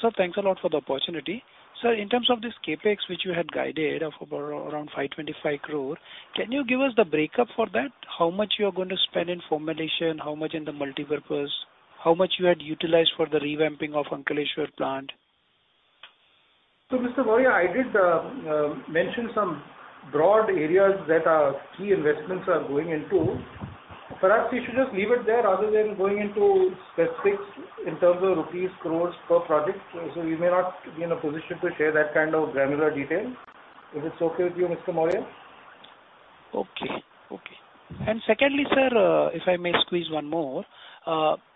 Speaker 14: Sir, thanks a lot for the opportunity. Sir, in terms of this CapEx, which you had guided of around 525 crore, can you give us the breakup for that? How much you are going to spend in formulation, how much in the multipurpose, how much you had utilized for the revamping of Ankleshwar plant?
Speaker 3: Mr. Maurya, I did mention some broad areas that our key investments are going into. Perhaps we should just leave it there rather than going into specifics in terms of rupees crores per project. We may not be in a position to share that kind of granular detail. If it's okay with you, Mr. Maurya?
Speaker 14: Okay. Secondly, sir, if I may squeeze one more.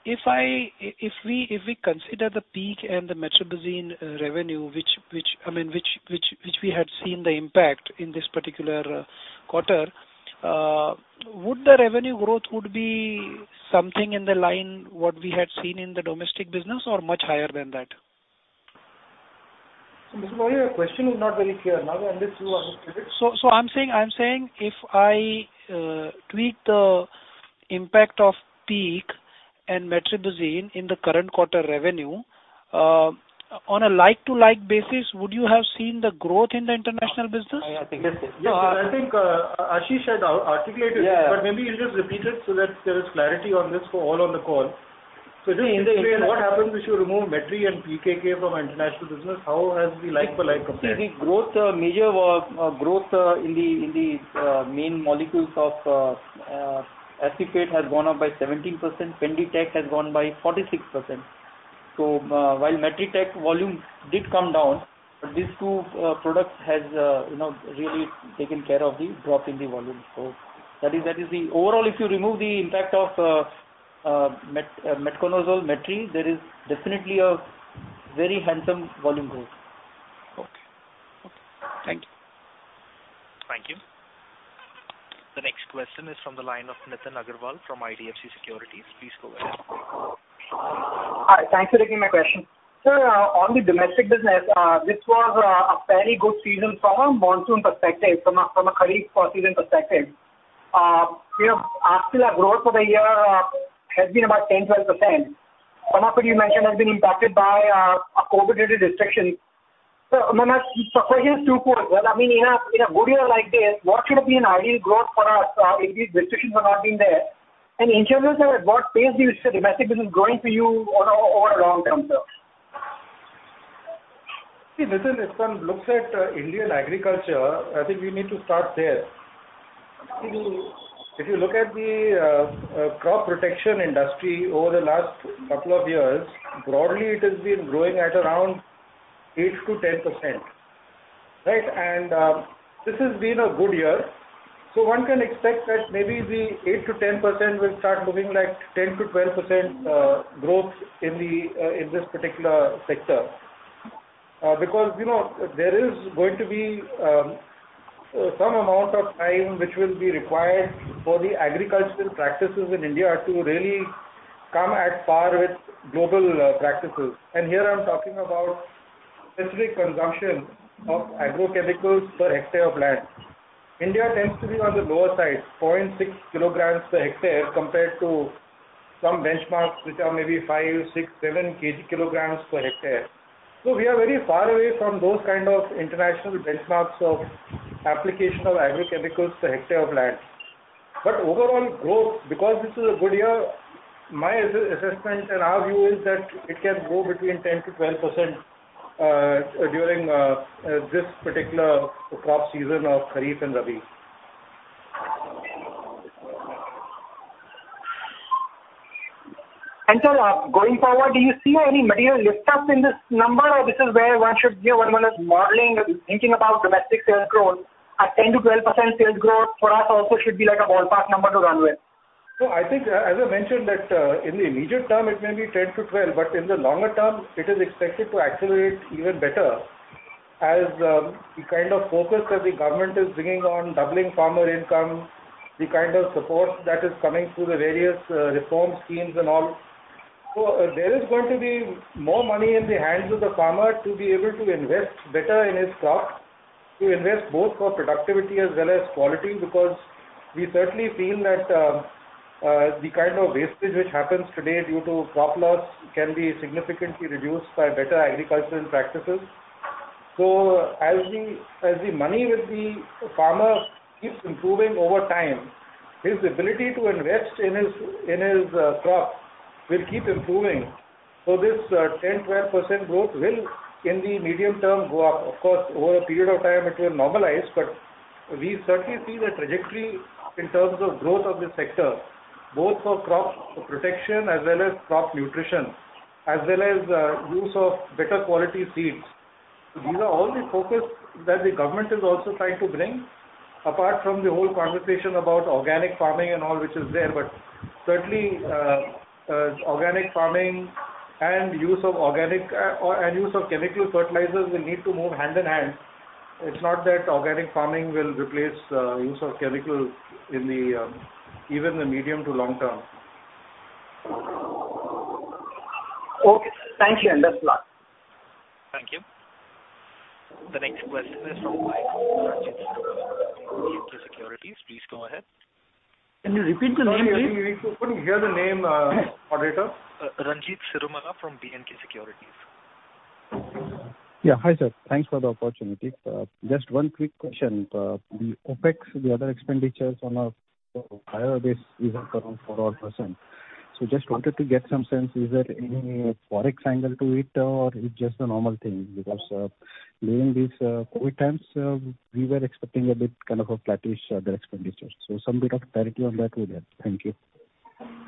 Speaker 14: If we consider the PEKK and the Metribuzin revenue, which we had seen the impact in this particular quarter, would the revenue growth be something in the line what we had seen in the domestic business or much higher than that?
Speaker 3: Mr. Maurya, your question is not very clear. Naga, unless you want to take it.
Speaker 14: I'm saying, if I tweak the impact of PEKK and metribuzin in the current quarter revenue, on a like-to-like basis, would you have seen the growth in the international business?
Speaker 3: Yes, sir. I think Ashish had articulated.
Speaker 4: Yeah.
Speaker 3: Maybe you'll just repeat it so that there is clarity on this for all on the call. Just explain what happens if you remove metri and PEKK from our international business, how has the like-for-like compared?
Speaker 4: The major growth in the main molecules of acephate has gone up by 17%, penditech has gone by 46%. While metritech volume did come down, these two products have really taken care of the drop in the volume. Overall, if you remove the impact of metconazole, metri, there is definitely a very handsome volume growth.
Speaker 14: Okay. Thank you.
Speaker 1: Thank you. The next question is from the line of Nitin Agarwal from IDFC Securities. Please go ahead.
Speaker 15: Hi. Thanks for taking my question. Sir, on the domestic business, this was a very good season from a monsoon perspective, from a kharif season perspective. Our growth for the year has been about 10%-12%. Some of which you mentioned has been impacted by COVID-19-related restrictions. My question is two parts. In a good year like this, what should have been ideal growth for us if these restrictions had not been there? In general, sir, at what pace do you see the domestic business growing for you over a long-term though?
Speaker 3: See, Nitin, if one looks at Indian agriculture, I think we need to start there. If you look at the crop protection industry over the last couple of years, broadly, it has been growing at around 8%-10%. Right? This has been a good year. One can expect that maybe the 8%-10% will start moving like 10%-12% growth in this particular sector. There is going to be some amount of time which will be required for the agricultural practices in India to really come at par with global practices. Here I'm talking about specific consumption of agrochemicals per hectare of land. India tends to be on the lower side, 0.6 kg per hectare compared to some benchmarks which are maybe 5, 6, 7 kg per hectare. We are very far away from those kind of international benchmarks of application of agrochemicals per hectare of land. Overall growth, because this is a good year, my assessment and our view is that it can grow between 10%-12% during this particular crop season of kharif and rabi.
Speaker 15: Sir, going forward, do you see any material lift up in this number? Or this is where one should give, when one is modeling or thinking about domestic sales growth, a 10%-12% sales growth for us also should be like a ballpark number to run with?
Speaker 3: I think, as I mentioned that in the immediate term, it may be 10%-12%, but in the longer term, it is expected to accelerate even better as the kind of focus that the government is bringing on doubling farmer income, the kind of support that is coming through the various reform schemes and all. There is going to be more money in the hands of the farmer to be able to invest better in his crop. To invest both for productivity as well as quality, because we certainly feel that the kind of wastage which happens today due to crop loss can be significantly reduced by better agricultural practices. As the money with the farmer keeps improving over time, his ability to invest in his crop will keep improving. This 10%-12% growth will in the medium term go up. Of course, over a period of time it will normalize, we certainly see the trajectory in terms of growth of this sector, both for crop protection as well as crop nutrition, as well as use of better quality seeds. These are all the focus that the government is also trying to bring, apart from the whole conversation about organic farming and all which is there. Certainly, organic farming and use of chemical fertilizers will need to move hand in hand. It's not that organic farming will replace use of chemical even in the medium to long term.
Speaker 15: Okay. Thank you. Best luck.
Speaker 1: Thank you. The next question is from line of Ranjit Shinde from BNK Securities. Please go ahead.
Speaker 8: Can you repeat the name, please?
Speaker 3: Sorry, we couldn't hear the name, moderator.
Speaker 1: Ranjit Shinde from BNK Securities.
Speaker 16: Hi, sir. Thanks for the opportunity. Just one quick question. The OpEx, the other expenditures on a higher base is up around 4-odd%. Just wanted to get some sense, is there any Forex angle to it or it's just a normal thing? Because during these COVID-19 times, we were expecting a bit of a flattish other expenditures. Some bit of clarity on that would be helpful. Thank you.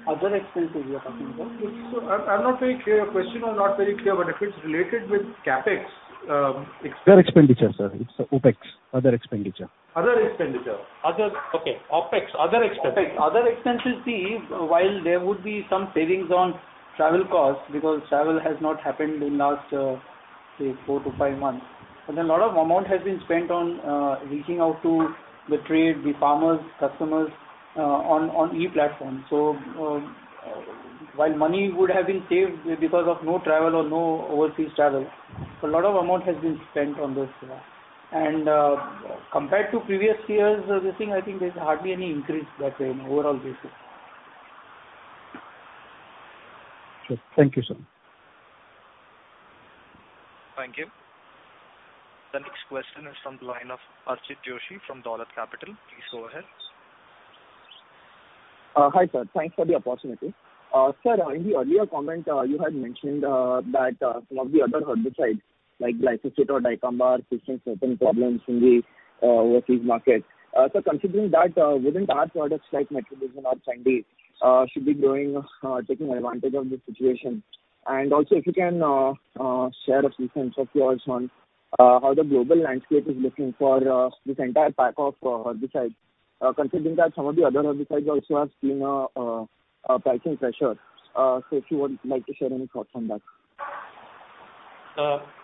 Speaker 8: Other expenses you're talking about?
Speaker 3: The question was not very clear, but if it's related with CapEx-
Speaker 16: Other expenditure, sir. It's OpEx, other expenditure.
Speaker 3: Other expenditure.
Speaker 4: Okay. OPEX, other expenses.
Speaker 3: OPEX. Other expenses, see, while there would be some savings on travel costs because travel has not happened in the last, say four to five months. A lot of amount has been spent on reaching out to the trade, the farmers, customers on e-platform. While money would have been saved because of no travel or no overseas travel, a lot of amount has been spent on this. Compared to previous years, this thing, I think there's hardly any increase that way on an overall basis.
Speaker 16: Sure. Thank you, sir.
Speaker 1: Thank you. The next question is from the line of Archit Joshi from Dolat Capital. Please go ahead.
Speaker 17: Hi, sir. Thanks for the opportunity. Sir, in the earlier comment, you had mentioned that some of the other herbicides like glyphosate or dicamba are facing certain problems in the overseas market. Considering that, wouldn't our products like metribuzin or pendimethalin should be growing, taking advantage of this situation? Also if you can share a few cents of yours on how the global landscape is looking for this entire pack of herbicides. Considering that some of the other herbicides also have seen pricing pressure. If you would like to share any thoughts on that.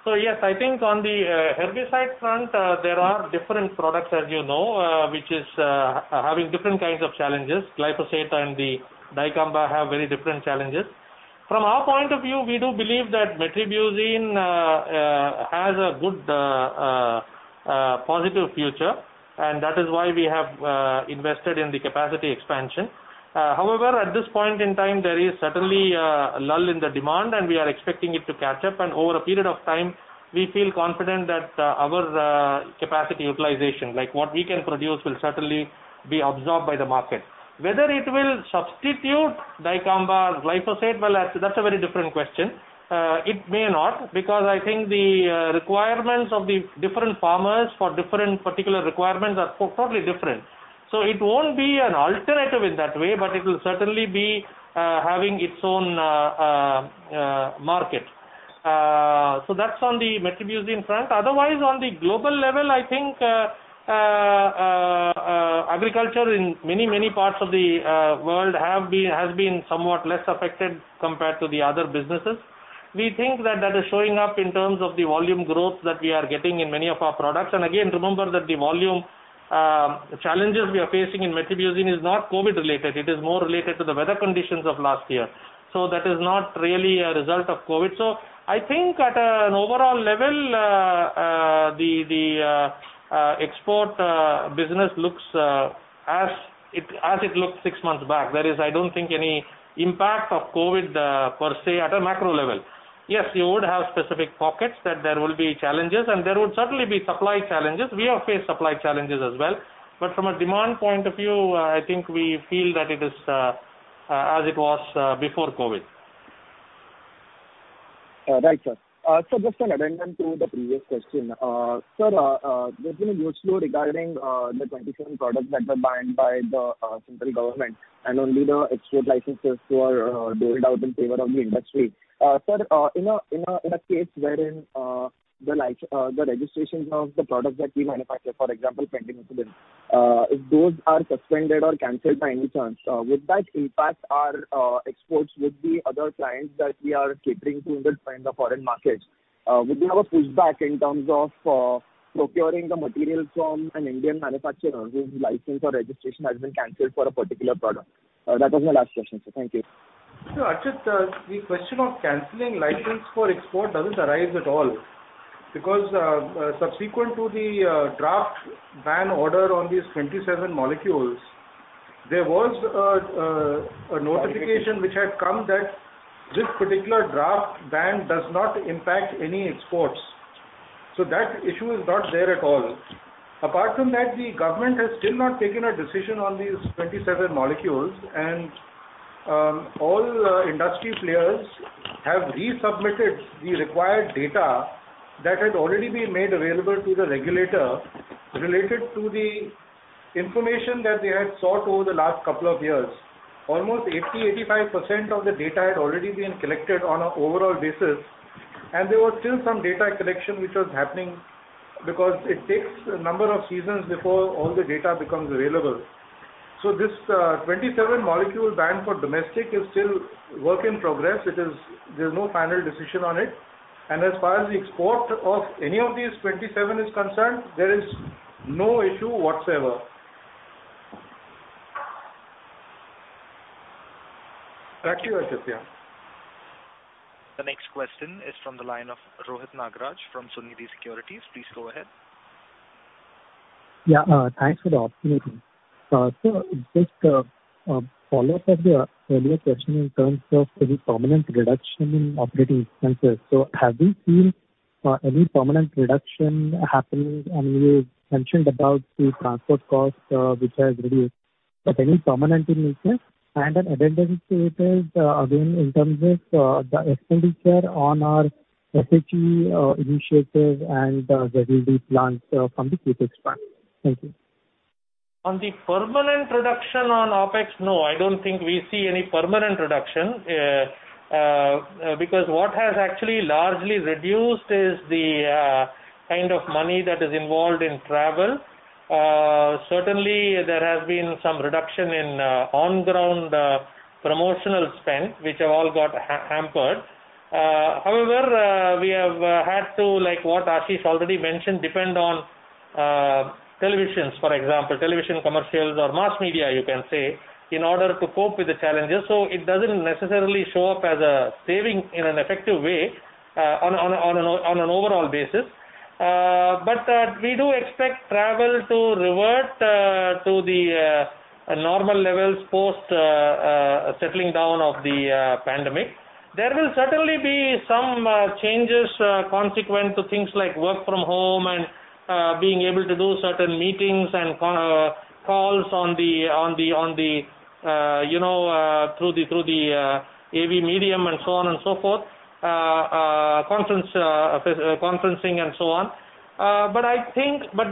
Speaker 3: Yes, I think on the herbicide front, there are different products as you know, which is having different kinds of challenges. Glyphosate and the dicamba have very different challenges. From our point of view, we do believe that metribuzin has a good positive future, and that is why we have invested in the capacity expansion. However, at this point in time, there is certainly a lull in the demand, and we are expecting it to catch up, and over a period of time, we feel confident that our capacity utilization, like what we can produce, will certainly be absorbed by the market. Whether it will substitute dicamba or glyphosate, well, that's a very different question. It may not, because I think the requirements of the different farmers for different particular requirements are totally different. It won't be an alternative in that way, but it will certainly be having its own market. That's on the metribuzin front. Otherwise, on the global level, I think agriculture in many parts of the world has been somewhat less affected compared to the other businesses. We think that is showing up in terms of the volume growth that we are getting in many of our products. Again, remember that the volume challenges we are facing in metribuzin is not COVID related. It is more related to the weather conditions of last year. That is not really a result of COVID. I think at an overall level, the export business looks as it looked six months back. That is, I don't think any impact of COVID per se at a macro level. Yes, you would have specific pockets that there will be challenges and there would certainly be supply challenges. We have faced supply challenges as well. From a demand point of view, I think we feel that it is as it was before COVID-19.
Speaker 17: Right, sir. Sir, just an addendum to the previous question. Sir, there's been a huge slow regarding the 27 products that were banned by the central government and only the export licenses were doled out in favor of the industry. Sir, in a case wherein the registrations of the products that we manufacture, for example, pendimethalin, if those are suspended or canceled by any chance, would that impact our exports with the other clients that we are catering to in the foreign markets? Would we have a pushback in terms of procuring the material from an Indian manufacturer whose license or registration has been canceled for a particular product? That was my last question, sir. Thank you.
Speaker 3: No, Archit, the question of canceling license for export doesn't arise at all because subsequent to the draft ban order on these 27 molecules, there was a notification which had come that this particular draft ban does not impact any exports. That issue is not there at all. Apart from that, the government has still not taken a decision on these 27 molecules, and all industry players have resubmitted the required data that had already been made available to the regulator related to the information that they had sought over the last couple of years. Almost 80%, 85% of the data had already been collected on an overall basis, and there was still some data collection which was happening because it takes a number of seasons before all the data becomes available. This 27 molecule ban for domestic is still work in progress. There's no final decision on it. As far as the export of any of these 27 is concerned, there is no issue whatsoever. Back to you, Archit.
Speaker 1: The next question is from the line of Rohit Nagraj from Sunidhi Securities. Please go ahead.
Speaker 18: Yeah. Thanks for the opportunity. Sir, just a follow-up of the earlier question in terms of any permanent reduction in operating expenses. Have you seen any permanent reduction happening? You mentioned about the transport cost, which has reduced, but any permanent in nature? Addendum to it is, again, in terms of the expenditure on our SHG initiatives and ZLD plants from the CapEx part. Thank you.
Speaker 8: On the permanent reduction on OpEx, no, I don't think we see any permanent reduction, because what has actually largely reduced is the kind of money that is involved in travel. Certainly, there has been some reduction in on-ground promotional spend, which have all got hampered. However, we have had to, like what Ashish already mentioned, depend on televisions, for example, television commercials or mass media, you can say, in order to cope with the challenges. It doesn't necessarily show up as a saving in an effective way on an overall basis. We do expect travel to revert to the normal levels post settling down of the pandemic. There will certainly be some changes consequent to things like work from home and being able to do certain meetings and calls through the AV medium, and so on and so forth. Conferencing and so on.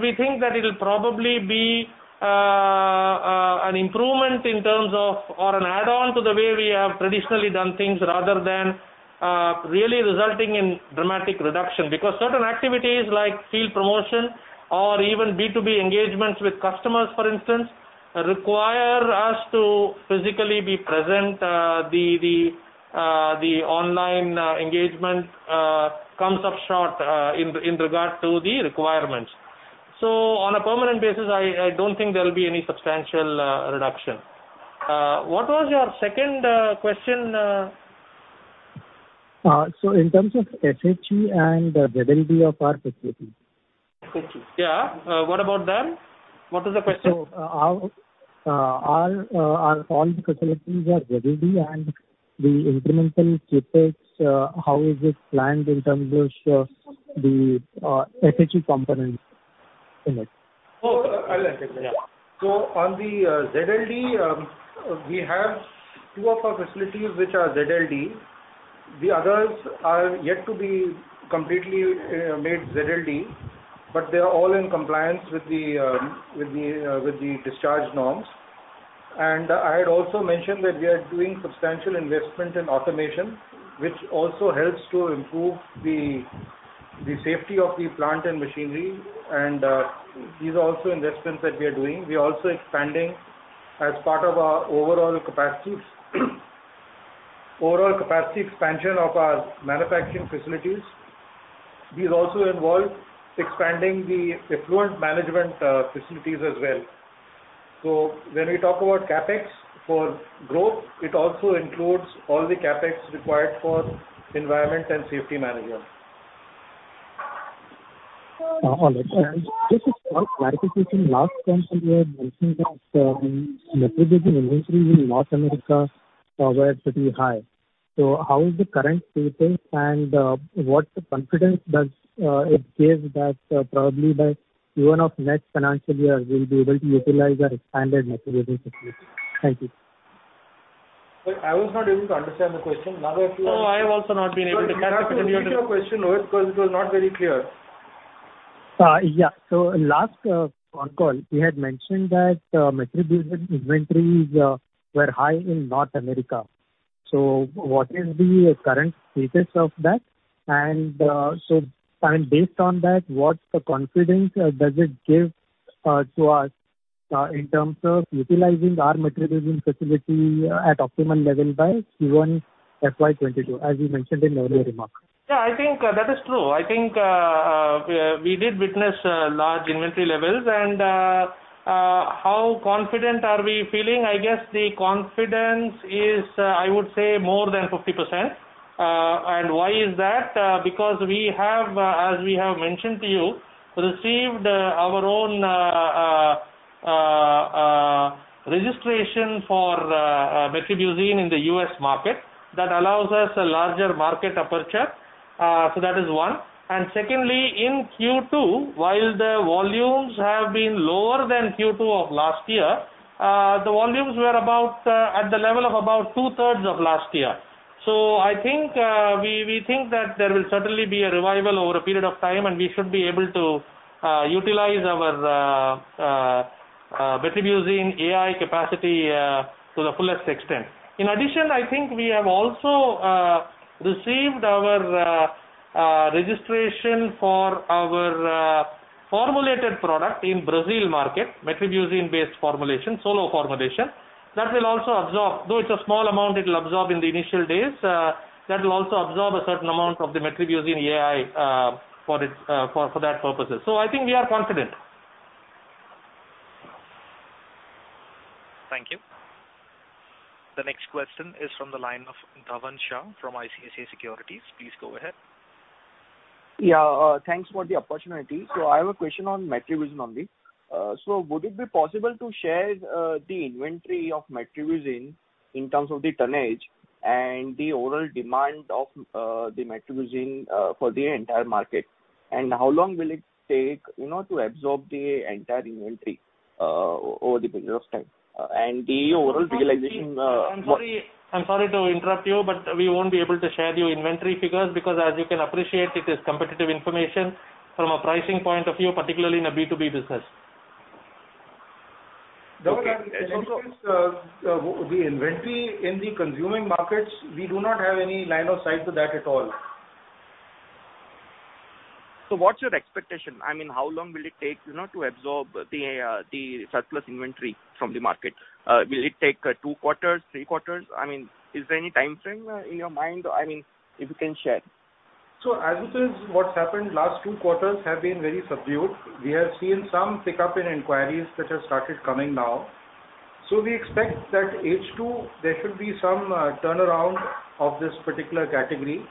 Speaker 8: We think that it'll probably be an improvement in terms of or an add-on to the way we have traditionally done things rather than really resulting in dramatic reduction. Because certain activities like field promotion or even B2B engagements with customers, for instance, require us to physically be present. The online engagement comes up short in regard to the requirements. On a permanent basis, I don't think there will be any substantial reduction. What was your second question?
Speaker 18: In terms of SHG and ZLD of our facilities.
Speaker 8: Yeah. What about them? What was the question?
Speaker 18: Are all the facilities ZLD and the incremental CapEx, how is it planned in terms of the SHG component in it?
Speaker 3: I'll answer that. On the ZLD, we have two of our facilities which are ZLD. The others are yet to be completely made ZLD, but they are all in compliance with the discharge norms. I had also mentioned that we are doing substantial investment in automation, which also helps to improve the safety of the plant and machinery, and these are also investments that we are doing. We are also expanding as part of our overall capacity expansion of our manufacturing facilities. These also involve expanding the effluent management facilities as well. When we talk about CapEx for growth, it also includes all the CapEx required for environment and safety management.
Speaker 18: Just to clarify, since in last financial year, you had mentioned that metribuzin inventories in North America were pretty high. How is the current status and what confidence does it give that probably by Q1 of next financial year, we'll be able to utilize our expanded metribuzin facility? Thank you.
Speaker 3: Sir, I was not able to understand the question. Nagarajan.
Speaker 8: No, I have also not been able to catch it. Can you?
Speaker 3: Can you repeat your question, Rohit, because it was not very clear.
Speaker 18: Yeah. Last call, you had mentioned that metribuzin inventories were high in North America. What is the current status of that? Based on that, what confidence does it give to us in terms of utilizing our metribuzin facility at optimum level by Q1 FY 2022, as you mentioned in earlier remarks.
Speaker 8: Yeah, I think that is true. I think we did witness large inventory levels. How confident are we feeling? I guess the confidence is, I would say more than 50%. Why is that? Because as we have mentioned to you, received our own registration for metribuzin in the U.S. market. That allows us a larger market aperture. That is one. Secondly, in Q2, while the volumes have been lower than Q2 of last year, the volumes were at the level of about two-thirds of last year. We think that there will certainly be a revival over a period of time, and we should be able to utilize our metribuzin AI capacity to the fullest extent. In addition, I think we have also received our registration for our formulated product in Brazil market, metribuzin-based formulation, solo formulation. Though it's a small amount, it'll absorb in the initial days. That will also absorb a certain amount of the metribuzin AI for that purposes. I think we are confident.
Speaker 4: Thank you. The next question is from the line of Dhaval Shah from ICICI Securities. Please go ahead.
Speaker 19: Yeah, thanks for the opportunity. I have a question on Metribuzin only. Would it be possible to share the inventory of Metribuzin in terms of the tonnage and the overall demand of the Metribuzin for the entire market? How long will it take to absorb the entire inventory over the period of time?
Speaker 8: I'm sorry to interrupt you, we won't be able to share the inventory figures because as you can appreciate, it is competitive information from a pricing point of view, particularly in a B2B business.
Speaker 3: Dhaval, the inventory in the consuming markets, we do not have any line of sight to that at all.
Speaker 19: What's your expectation? How long will it take to absorb the surplus inventory from the market? Will it take two quarters, three quarters? Is there any time frame in your mind, if you can share?
Speaker 3: As it is, what's happened last two quarters have been very subdued. We have seen some pickup in inquiries that have started coming now. We expect that H2, there should be some turnaround of this particular category.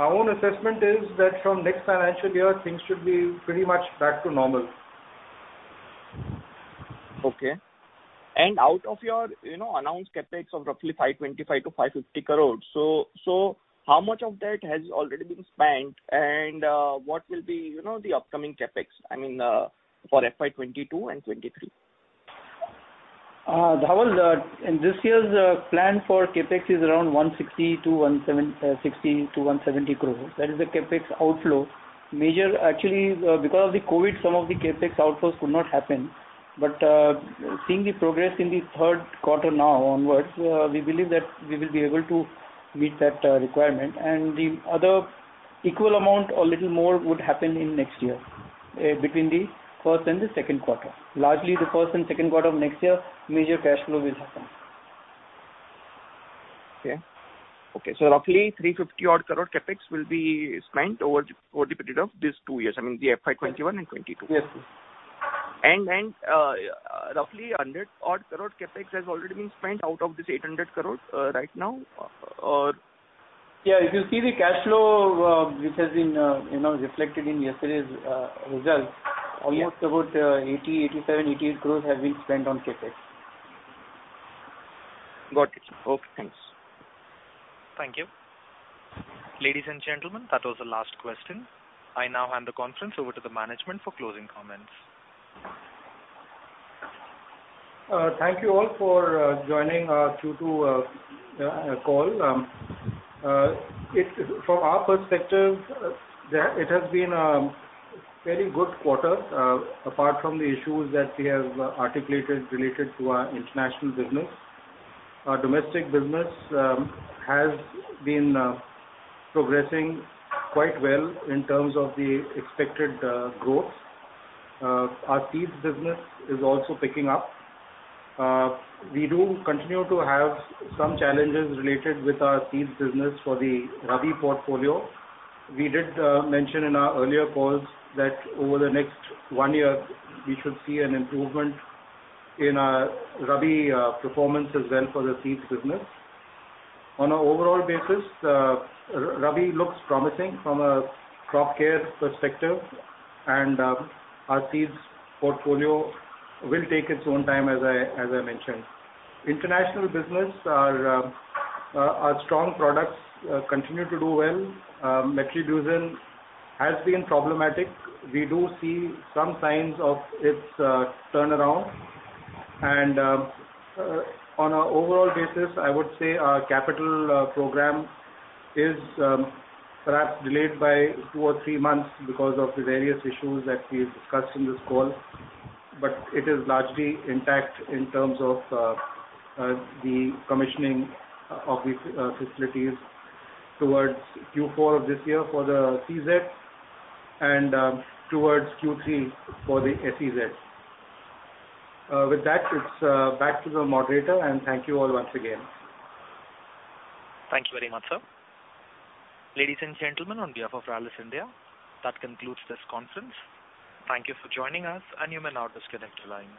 Speaker 3: Our own assessment is that from next financial year, things should be pretty much back to normal.
Speaker 19: Okay. Out of your announced CapEx of roughly 525 crore-550 crore, so how much of that has already been spent and what will be the upcoming CapEx for FY 2022 and 2023?
Speaker 4: Dhaval, in this year's plan for CapEx is around 160 crore-170 crore. That is the CapEx outflow. Actually, because of the COVID-19, some of the CapEx outflows could not happen. Seeing the progress in the third quarter now onwards, we believe that we will be able to meet that requirement, and the other equal amount or little more would happen in next year, between the first and the second quarter. Largely the first and second quarter of next year, major cash flow will happen.
Speaker 19: Okay. roughly 350 crore CapEx will be spent over the period of these two years, the FY 2021 and FY 2022.
Speaker 4: Yes, sir.
Speaker 19: roughly 100 crore CapEx has already been spent out of this 800 crores right now?
Speaker 4: Yeah, if you see the cash flow which has been reflected in yesterday's results, almost about 80, 87, 88 crores have been spent on CapEx.
Speaker 19: Got it. Okay, thanks.
Speaker 4: Thank you. Ladies and gentlemen, that was the last question. I now hand the conference over to the management for closing comments.
Speaker 3: Thank you all for joining our Q2 call. From our perspective, it has been a very good quarter, apart from the issues that we have articulated related to our international business. Our domestic business has been progressing quite well in terms of the expected growth. Our seeds business is also picking up. We do continue to have some challenges related with our seeds business for the Rabi portfolio. We did mention in our earlier calls that over the next one year, we should see an improvement in our Rabi performance as well for the seeds business. On an overall basis, Rabi looks promising from a crop care perspective, and our seeds portfolio will take its own time, as I mentioned. International business, our strong products continue to do well. Metribuzin has been problematic. We do see some signs of its turnaround. On an overall basis, I would say our capital program is perhaps delayed by two or three months because of the various issues that we have discussed in this call. It is largely intact in terms of the commissioning of the facilities towards Q4 of this year for the CZ and towards Q3 for the SEZ. With that, it's back to the moderator. Thank you all once again.
Speaker 4: Thank you very much, sir. Ladies and gentlemen, on behalf of Rallis India, that concludes this conference. Thank you for joining us. You may now disconnect your lines.